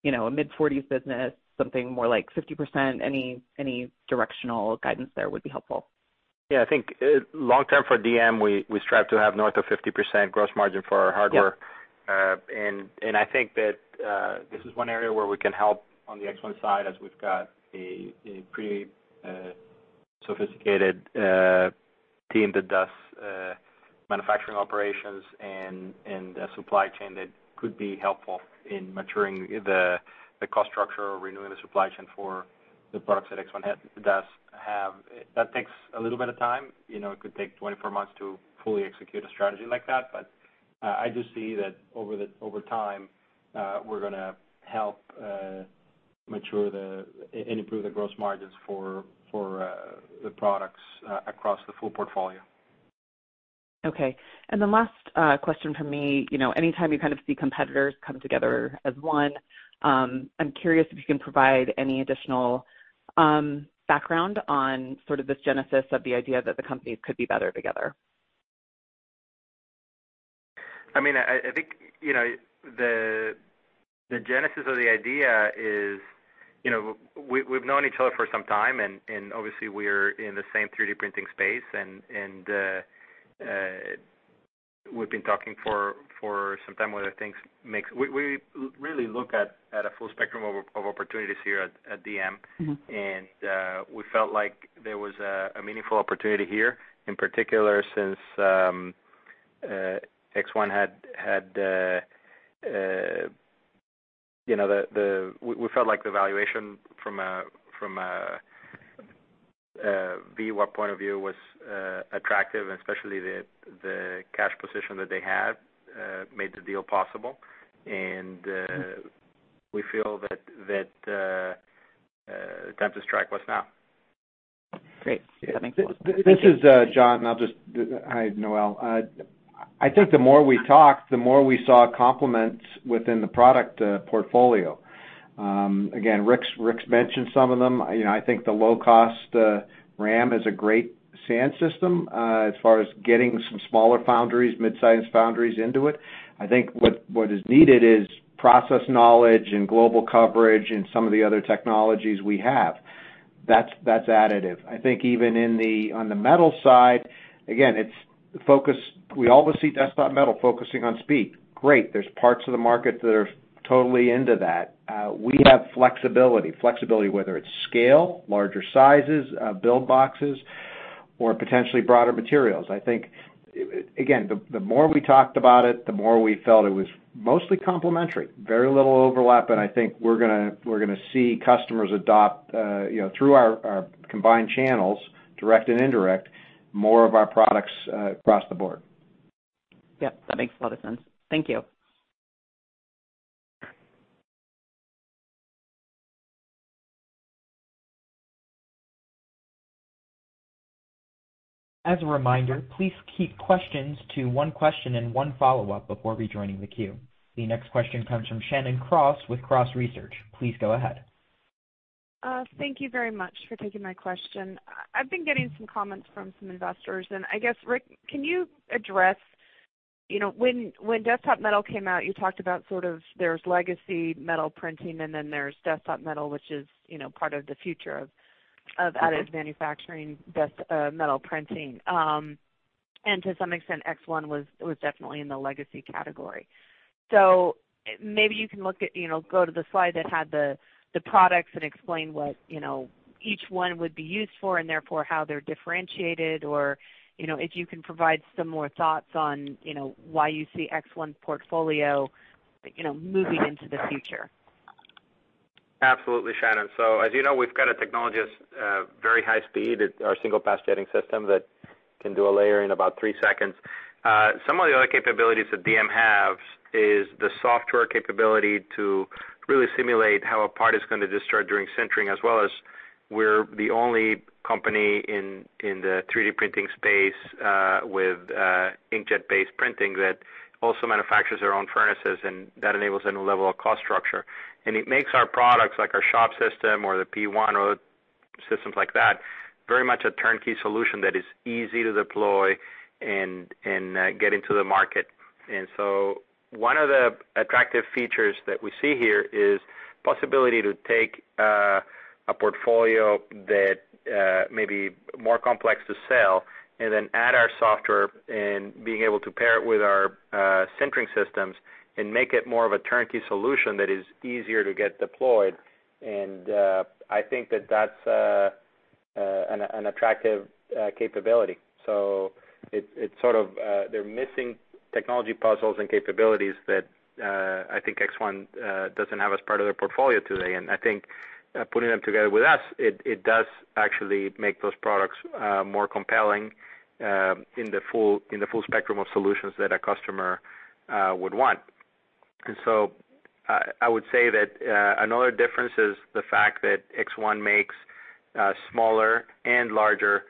a mid-40s% business, something more like 50%? Any directional guidance there would be helpful. Yeah. I think long term for DM, we strive to have north of 50% gross margin for our hardware. Yeah. I think that this is one area where we can help on the ExOne side as we've got a pretty sophisticated team that does manufacturing operations and a supply chain that could be helpful in maturing the cost structure or renewing the supply chain for the products that ExOne does have. That takes a little bit of time. It could take 24 months to fully execute a strategy like that, but I do see that over time, we're going to help mature and improve the gross margins for the products across the full portfolio. Okay. The last question from me, anytime you kind of see competitors come together as one, I'm curious if you can provide any additional background on sort of this genesis of the idea that the companies could be better together. I think, the genesis of the idea is we've known each other for some time. Obviously, we're in the same 3D printing space. We've been talking for some time. We really look at a full spectrum of opportunities here at DM. We felt like there was a meaningful opportunity here. We felt like the valuation from a point of view was attractive, and especially the cash position that they have made the deal possible. We feel that the time to strike was now. Great. That makes a lot of sense. Thank you. This is John. Hi, Noelle. I think the more we talked, the more we saw complements within the product portfolio. Again, Ric has mentioned some of them. I think the low-cost RAM is a great sand system as far as getting some smaller foundries, mid-sized foundries into it. I think what is needed is process knowledge and global coverage and some of the other technologies we have. That's additive. I think even on the metal side, again, it's focus. We obviously see Desktop Metal focusing on speed. Great. There's parts of the market that are totally into that. We have flexibility. Flexibility whether it's scale, larger sizes, build boxes or potentially broader materials. I think, again, the more we talked about it, the more we felt it was mostly complementary, very little overlap, and I think we're going to see customers adopt through our combined channels, direct and indirect, more of our products across the board. Yep, that makes a lot of sense. Thank you. As a reminder, please keep questions to one question and one follow-up before rejoining the queue. The next question comes from Shannon Cross with Cross Research. Please go ahead. Thank you very much for taking my question. I've been getting some comments from some investors, and I guess, Ric, can you address, when Desktop Metal came out, you talked about sort of there's legacy metal printing and then there's Desktop Metal, which is part of the future of additive manufacturing metal printing. To some extent, ExOne was definitely in the legacy category. Maybe you can go to the slide that had the products and explain what each one would be used for, and therefore how they're differentiated or if you can provide some more thoughts on why you see ExOne's portfolio moving into the future. Absolutely, Shannon. As you know, we've got a technology that's very high speed. Our single-pass jetting system that can do a layer in about three seconds. Some of the other capabilities that DM have is the software capability to really simulate how a part is going to distort during sintering, as well as we're the only company in the 3D printing space with inkjet-based printing that also manufactures their own furnaces, and that enables a new level of cost structure. It makes our products, like our Shop System or the P-1 or systems like that, very much a turnkey solution that is easy to deploy and get into the market. One of the attractive features that we see here is possibility to take a portfolio that may be more complex to sell, and then add our software and being able to pair it with our sintering systems and make it more of a turnkey solution that is easier to get deployed. I think that that's an attractive capability. It's sort of they're missing technology puzzles and capabilities that I think ExOne doesn't have as part of their portfolio today. I think putting them together with us, it does actually make those products more compelling in the full spectrum of solutions that a customer would want. I would say that another difference is the fact that ExOne makes smaller and larger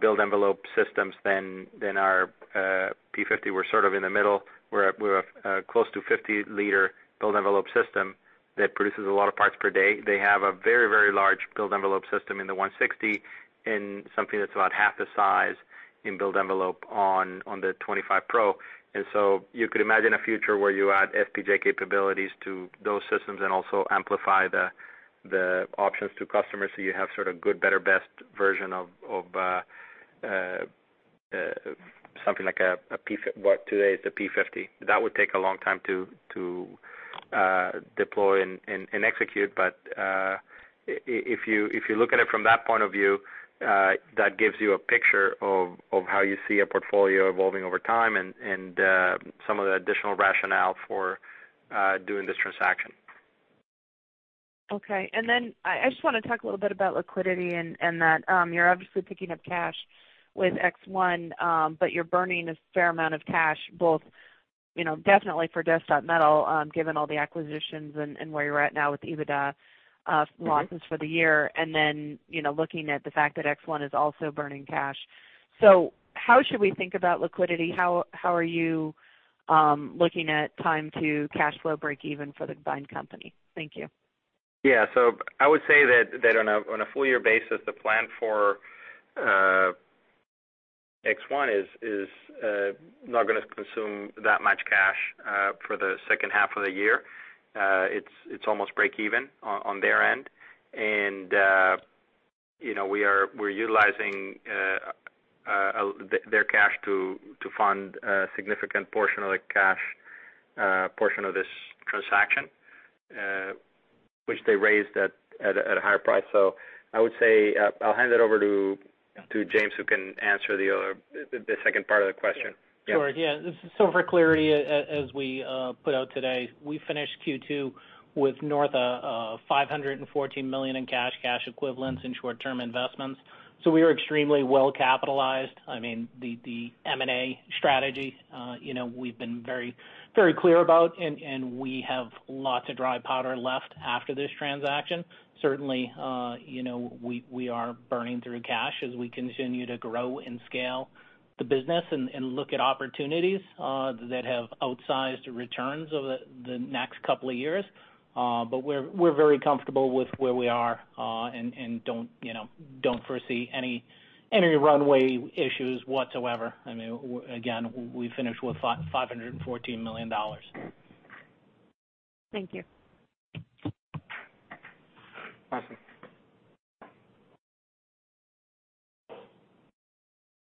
build envelope systems than our P50. We're sort of in the middle. We're close to 50-L build envelope system that produces a lot of parts per day. They have a very large build envelope system in the X160 and something that's about half the size in build envelope on the X25Pro. You could imagine a future where you add SPJ capabilities to those systems and also amplify the options to customers so you have sort of good, better, best version of something like what today is the P-50. That would take a long time to deploy and execute. If you look at it from that point of view, that gives you a picture of how you see a portfolio evolving over time and some of the additional rationale for doing this transaction. Okay. I just want to talk a little bit about liquidity and that you're obviously picking up cash with ExOne, but you're burning a fair amount of cash, both definitely for Desktop Metal, given all the acquisitions and where you're at now with EBITDA losses for the year, and then looking at the fact that ExOne is also burning cash. How should we think about liquidity? How are you looking at time to cash flow breakeven for the combined company? Thank you. Yeah. I would say that on a full year basis, the plan for ExOne is not going to consume that much cash for the second half of the year. It's almost breakeven on their end. We're utilizing their cash to fund a significant portion of the cash portion of this transaction, which they raised at a higher price. I would say, I'll hand it over to James, who can answer the second part of the question. Sure, yeah. For clarity, as we put out today, we finished Q2 with north of $514 million in cash equivalents in short-term investments. We are extremely well-capitalized. The M&A strategy we've been very clear about, and we have lots of dry powder left after this transaction. Certainly, we are burning through cash as we continue to grow and scale the business and look at opportunities that have outsized returns over the next couple of years. We're very comfortable with where we are, and don't foresee any runway issues whatsoever. Again, we finish with $514 million. Thank you. Awesome.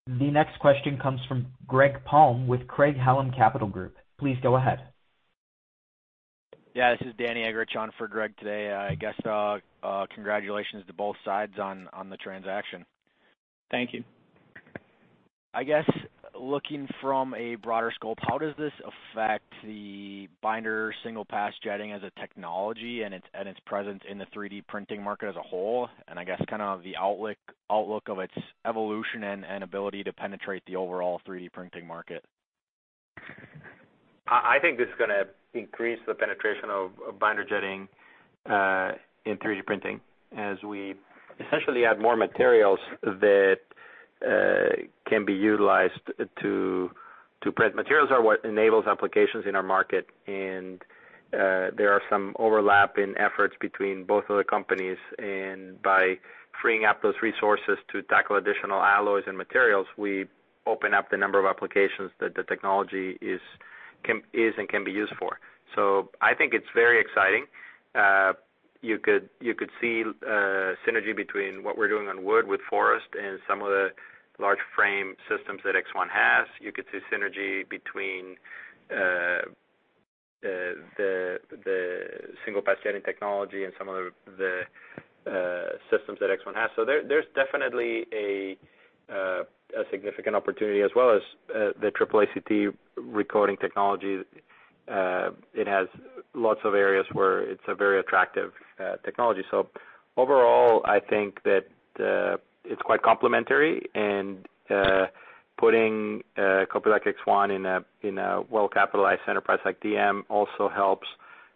The next question comes from Greg Palm with Craig-Hallum Capital Group. Please go ahead. Yeah, this is Danny Eggerichs on for Greg today. I guess, congratulations to both sides on the transaction. Thank you. I guess, looking from a broader scope, how does this affect the binder single-pass jetting as a technology and its presence in the 3D printing market as a whole, and I guess the outlook of its evolution and ability to penetrate the overall 3D printing market? I think this is going to increase the penetration of binder jetting in 3D printing as we essentially add more materials that can be utilized to print. Materials are what enables applications in our market, and there are some overlap in efforts between both of the companies. By freeing up those resources to tackle additional alloys and materials, we open up the number of applications that the technology is and can be used for. I think it's very exciting. You could see synergy between what we're doing on wood with Forust and some of the large frame systems that ExOne has. You could see synergy between the single-pass jetting technology and some of the systems that ExOne has. There's definitely a significant opportunity as well as the Triple ACT recoating technology. It has lots of areas where it's a very attractive technology. Overall, I think that it's quite complementary, and putting a company like ExOne in a well-capitalized enterprise like DM also helps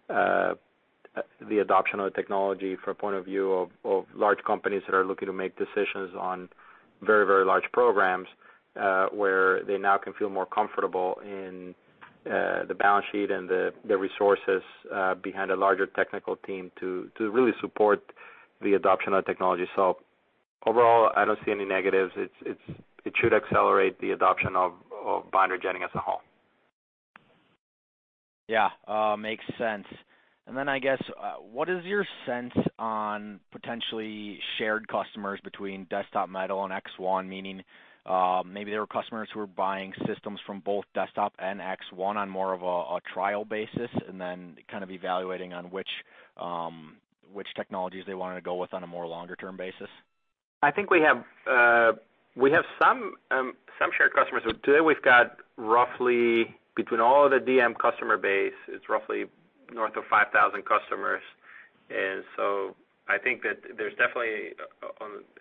the adoption of the technology from a point of view of large companies that are looking to make decisions on very large programs, where they now can feel more comfortable in the balance sheet and the resources behind a larger technical team to really support the adoption of the technology. Overall, I don't see any negatives. It should accelerate the adoption of binder jetting as a whole. Yeah. Makes sense. I guess, what is your sense on potentially shared customers between Desktop Metal and ExOne, meaning maybe there were customers who were buying systems from both Desktop Metal and ExOne on more of a trial basis, kind of evaluating on which technologies they wanted to go with on a more longer-term basis? I think we have some shared customers. Today we've got roughly between all of the DM customer base, it's roughly north of 5,000 customers. I think that there's definitely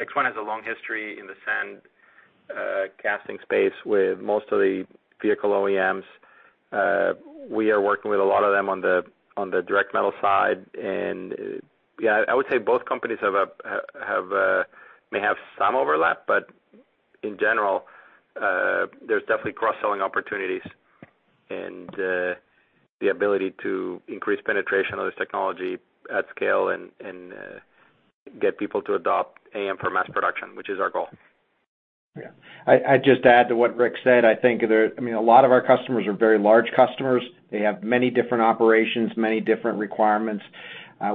ExOne has a long history in the sand casting space with most of the vehicle OEMs. We are working with a lot of them on the direct metal side. Yeah, I would say both companies may have some overlap, but in general, there's definitely cross-selling opportunities and the ability to increase penetration of this technology at scale and get people to adopt AM for mass production, which is our goal. Yeah. I just add to what Ric said, I think a lot of our customers are very large customers. They have many different operations, many different requirements.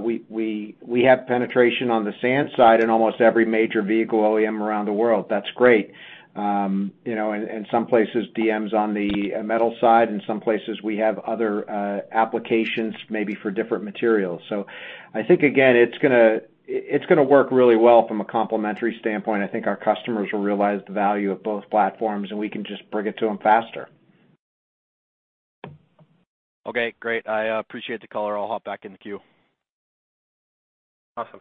We have penetration on the sand side in almost every major vehicle OEM around the world. That's great. In some places, DM's on the metal side, some places we have other applications maybe for different materials. I think, again, it's going to work really well from a complementary standpoint. I think our customers will realize the value of both platforms, we can just bring it to them faster. Okay, great. I appreciate the call, or I'll hop back in the queue. Awesome.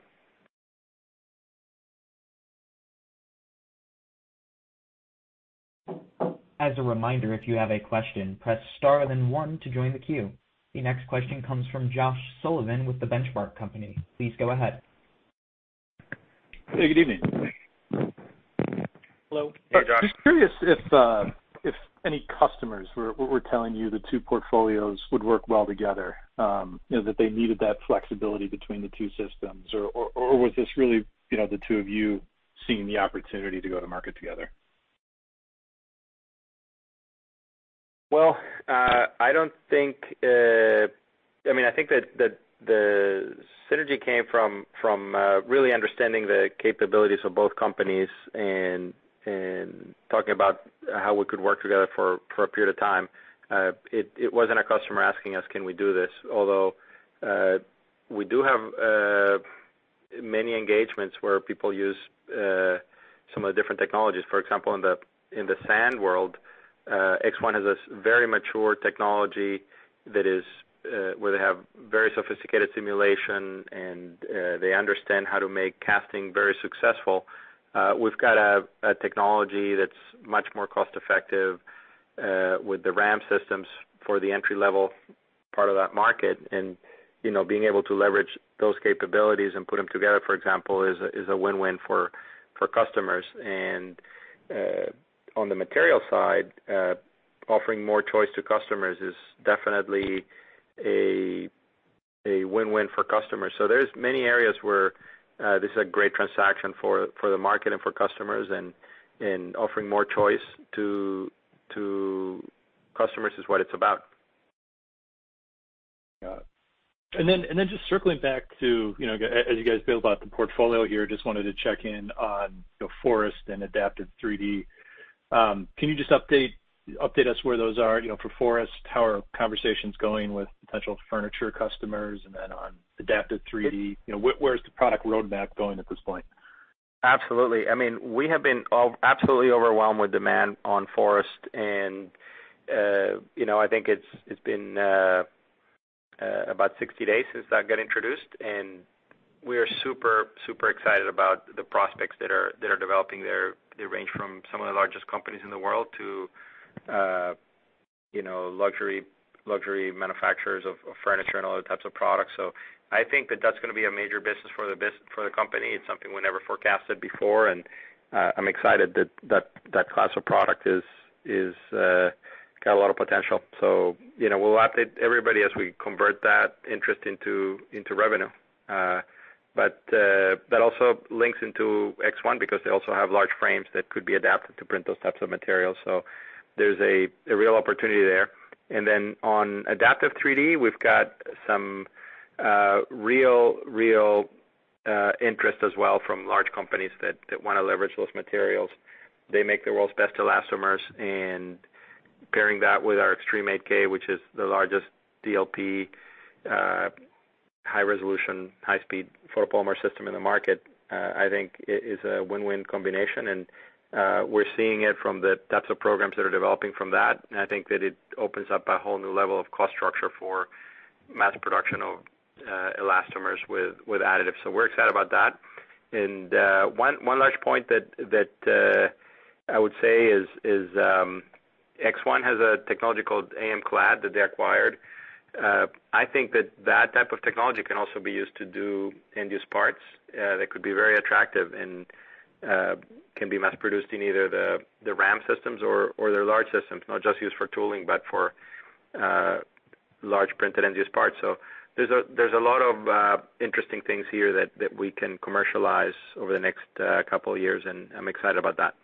As a reminder, if you have a question, press star then one to join the queue. The next question comes from Josh Sullivan with The Benchmark Company. Please go ahead. Hey, good evening. Hello. Hey, Josh. Just curious if any customers were telling you the two portfolios would work well together, that they needed that flexibility between the two systems, or was this really the two of you seeing the opportunity to go to market together? Well, I think that the synergy came from really understanding the capabilities of both companies and talking about how we could work together for a period of time. It wasn't a customer asking us, can we do this? Although, we do have many engagements where people use some of the different technologies. For example, in the sand world, ExOne has a very mature technology where they have very sophisticated simulation, and they understand how to make casting very successful. We've got a technology that's much more cost-effective with the RAM systems for the entry-level part of that market, and being able to leverage those capabilities and put them together, for example, is a win-win for customers. On the material side, offering more choice to customers is definitely a win-win for customers. There's many areas where this is a great transaction for the market and for customers. Offering more choice to customers is what it's about. Got it. Just circling back to, as you guys build out the portfolio here, just wanted to check in on Forust and Adaptive3D. Can you just update us where those are? For Forust, how are conversations going with potential furniture customers? On Adaptive3D, where is the product roadmap going at this point? Absolutely. We have been absolutely overwhelmed with demand on Forust, I think it's been about 60 days since that got introduced, and we are super excited about the prospects that are developing there. They range from some of the largest companies in the world to luxury manufacturers of furniture and other types of products. I think that that's going to be a major business for the company. It's something we never forecasted before, and I'm excited that class of product has got a lot of potential. We'll update everybody as we convert that interest into revenue. That also links into ExOne because they also have large frames that could be adapted to print those types of materials, so there's a real opportunity there. On Adaptive3D, we've got some real interest as well from large companies that want to leverage those materials. They make the world's best elastomers, pairing that with our Xtreme 8K, which is the largest DLP high-resolution, high-speed photopolymer system in the market, I think is a win-win combination, and we're seeing it from the types of programs that are developing from that. I think that it opens up a whole new level of cost structure for mass production of elastomers with additives. We're excited about that. One last point that I would say is ExOne has a technology called AMclad that they acquired. I think that type of technology can also be used to do end-use parts that could be very attractive and can be mass-produced in either the RAM systems or their large systems, not just used for tooling, but for large printed end-use parts. There's a lot of interesting things here that we can commercialize over the next couple of years, and I'm excited about that.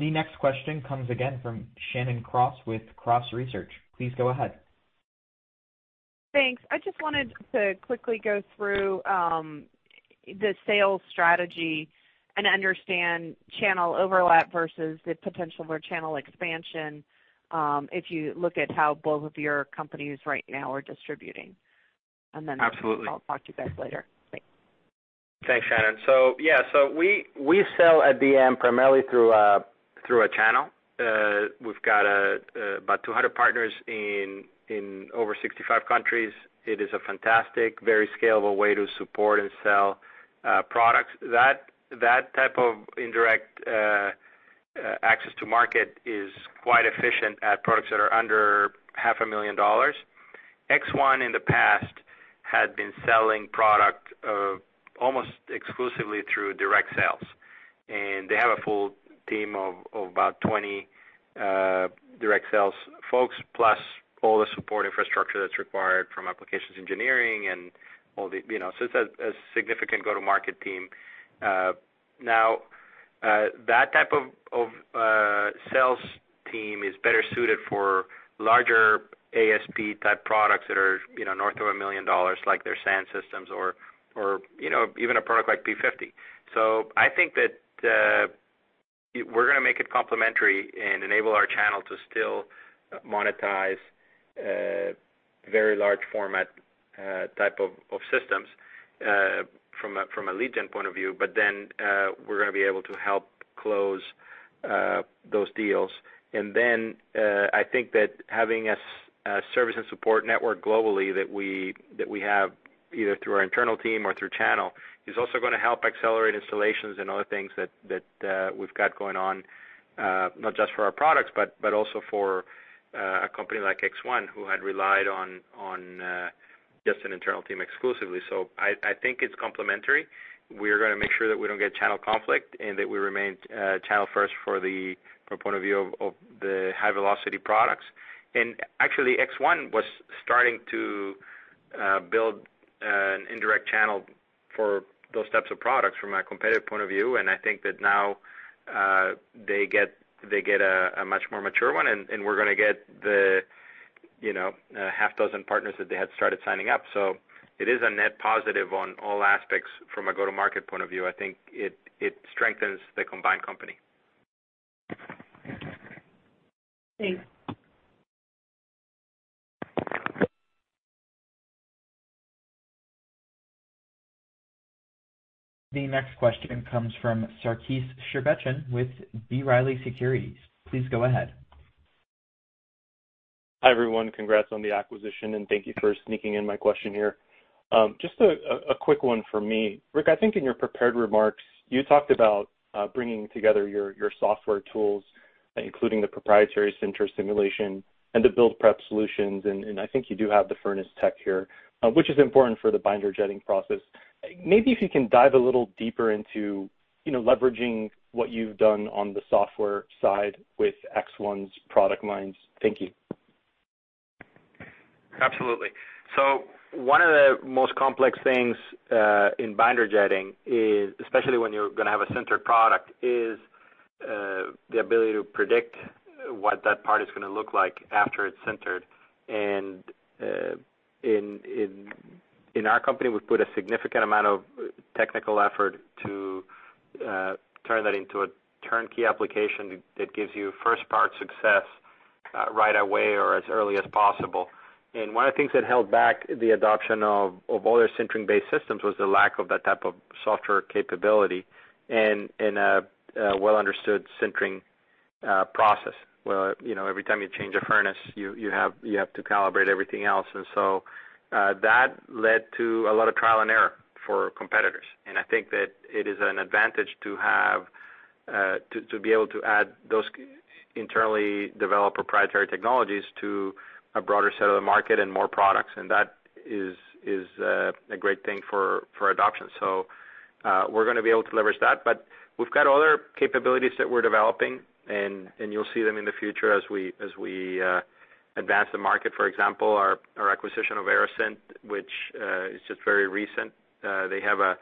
The next question comes again from Shannon Cross with Cross Research. Please go ahead. Thanks. I just wanted to quickly go through the sales strategy and understand channel overlap versus the potential for channel expansion if you look at how both of your companies right now are distributing. Absolutely. I'll talk to you guys later. Thanks. Thanks, Shannon. Yeah, we sell at DM primarily through a channel. We've got about 200 partners in over 65 countries. It is a fantastic, very scalable way to support and sell products. That type of indirect access to market is quite efficient at products that are under half a million dollars. ExOne in the past had been selling product almost exclusively through direct sales. They have a full team of about 20 direct sales folks, plus all the support infrastructure that's required from applications engineering. It's a significant go-to-market team. That type of sales team is better suited for larger ASP-type products that are north of a million dollars, like their sand systems or even a product like P-50. I think that we're going to make it complementary and enable our channel to still monetize very large format type of systems from a lead gen point of view. We're going to be able to help close those deals. I think that having a service and support network globally that we have either through our internal team or through channel, is also going to help accelerate installations and other things that we've got going on, not just for our products, but also for a company like ExOne who had relied on just an internal team exclusively. I think it's complementary. We're going to make sure that we don't get channel conflict and that we remain channel first from point of view of the high-velocity products. Actually, ExOne was starting to build an indirect channel for those types of products from a competitive point of view, and I think that now they get a much more mature one, and we're going to get the half dozen partners that they had started signing up. It is a net positive on all aspects from a go-to-market point of view. I think it strengthens the combined company. Thanks. The next question comes from Sarkis Sherbetchyan with B Riley Securities. Please go ahead. Hi, everyone. Congrats on the acquisition, and thank you for sneaking in my question here. Just a quick one for me. Ric, I think in your prepared remarks, you talked about bringing together your software tools, including the proprietary sinter simulation and the build prep solutions, and I think you do have the furnace tech here, which is important for the binder jetting process. Maybe if you can dive a little deeper into leveraging what you've done on the software side with ExOne's product lines. Thank you. Absolutely. One of the most complex things in binder jetting is, especially when you're going to have a sintered product, is the ability to predict what that part is going to look like after it's sintered. In our company, we've put a significant amount of technical effort to turn that into a turnkey application that gives you first-part success right away or as early as possible. One of the things that held back the adoption of other sintering-based systems was the lack of that type of software capability and a well-understood sintering process, where every time you change a furnace, you have to calibrate everything else. That led to a lot of trial and error for competitors. I think that it is an advantage to be able to add those internally developed proprietary technologies to a broader set of the market and more products, and that is a great thing for adoption. We're going to be able to leverage that, but we've got other capabilities that we're developing, and you'll see them in the future as we advance the market. For example, our acquisition of Aerosint, which is just very recent. They have a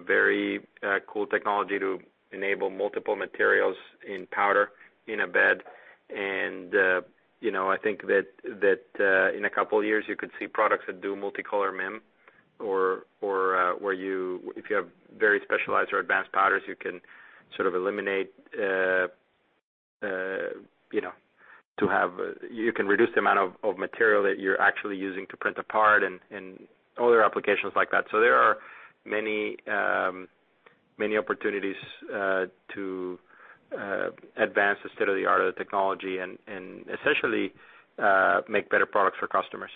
very cool technology to enable multiple materials in powder in a bed, and I think that in a couple of years you could see products that do multicolor MIM or where you, if you have very specialized or advanced powders, you can reduce the amount of material that you're actually using to print a part and other applications like that. There are many opportunities to advance the state-of-the-art of the technology and essentially make better products for customers.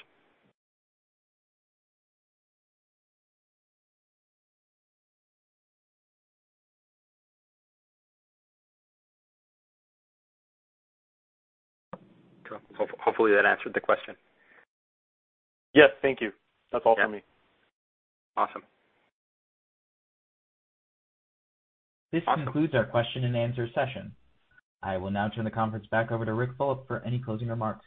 Hopefully that answered the question. Yes. Thank you. That's all for me. Awesome. This concludes our question-and-answer session. I will now turn the conference back over to Ric Fulop for any closing remarks.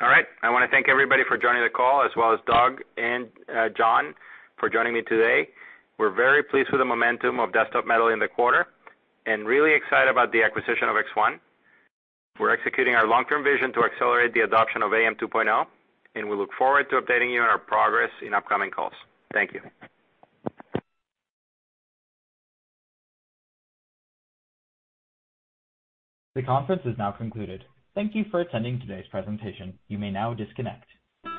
All right. I want to thank everybody for joining the call as well as Doug and John for joining me today. We're very pleased with the momentum of Desktop Metal in the quarter and really excited about the acquisition of ExOne. We're executing our long-term vision to accelerate the adoption of AM 2.0, and we look forward to updating you on our progress in upcoming calls. Thank you. The conference is now concluded. Thank you for attending today's presentation. You may now disconnect.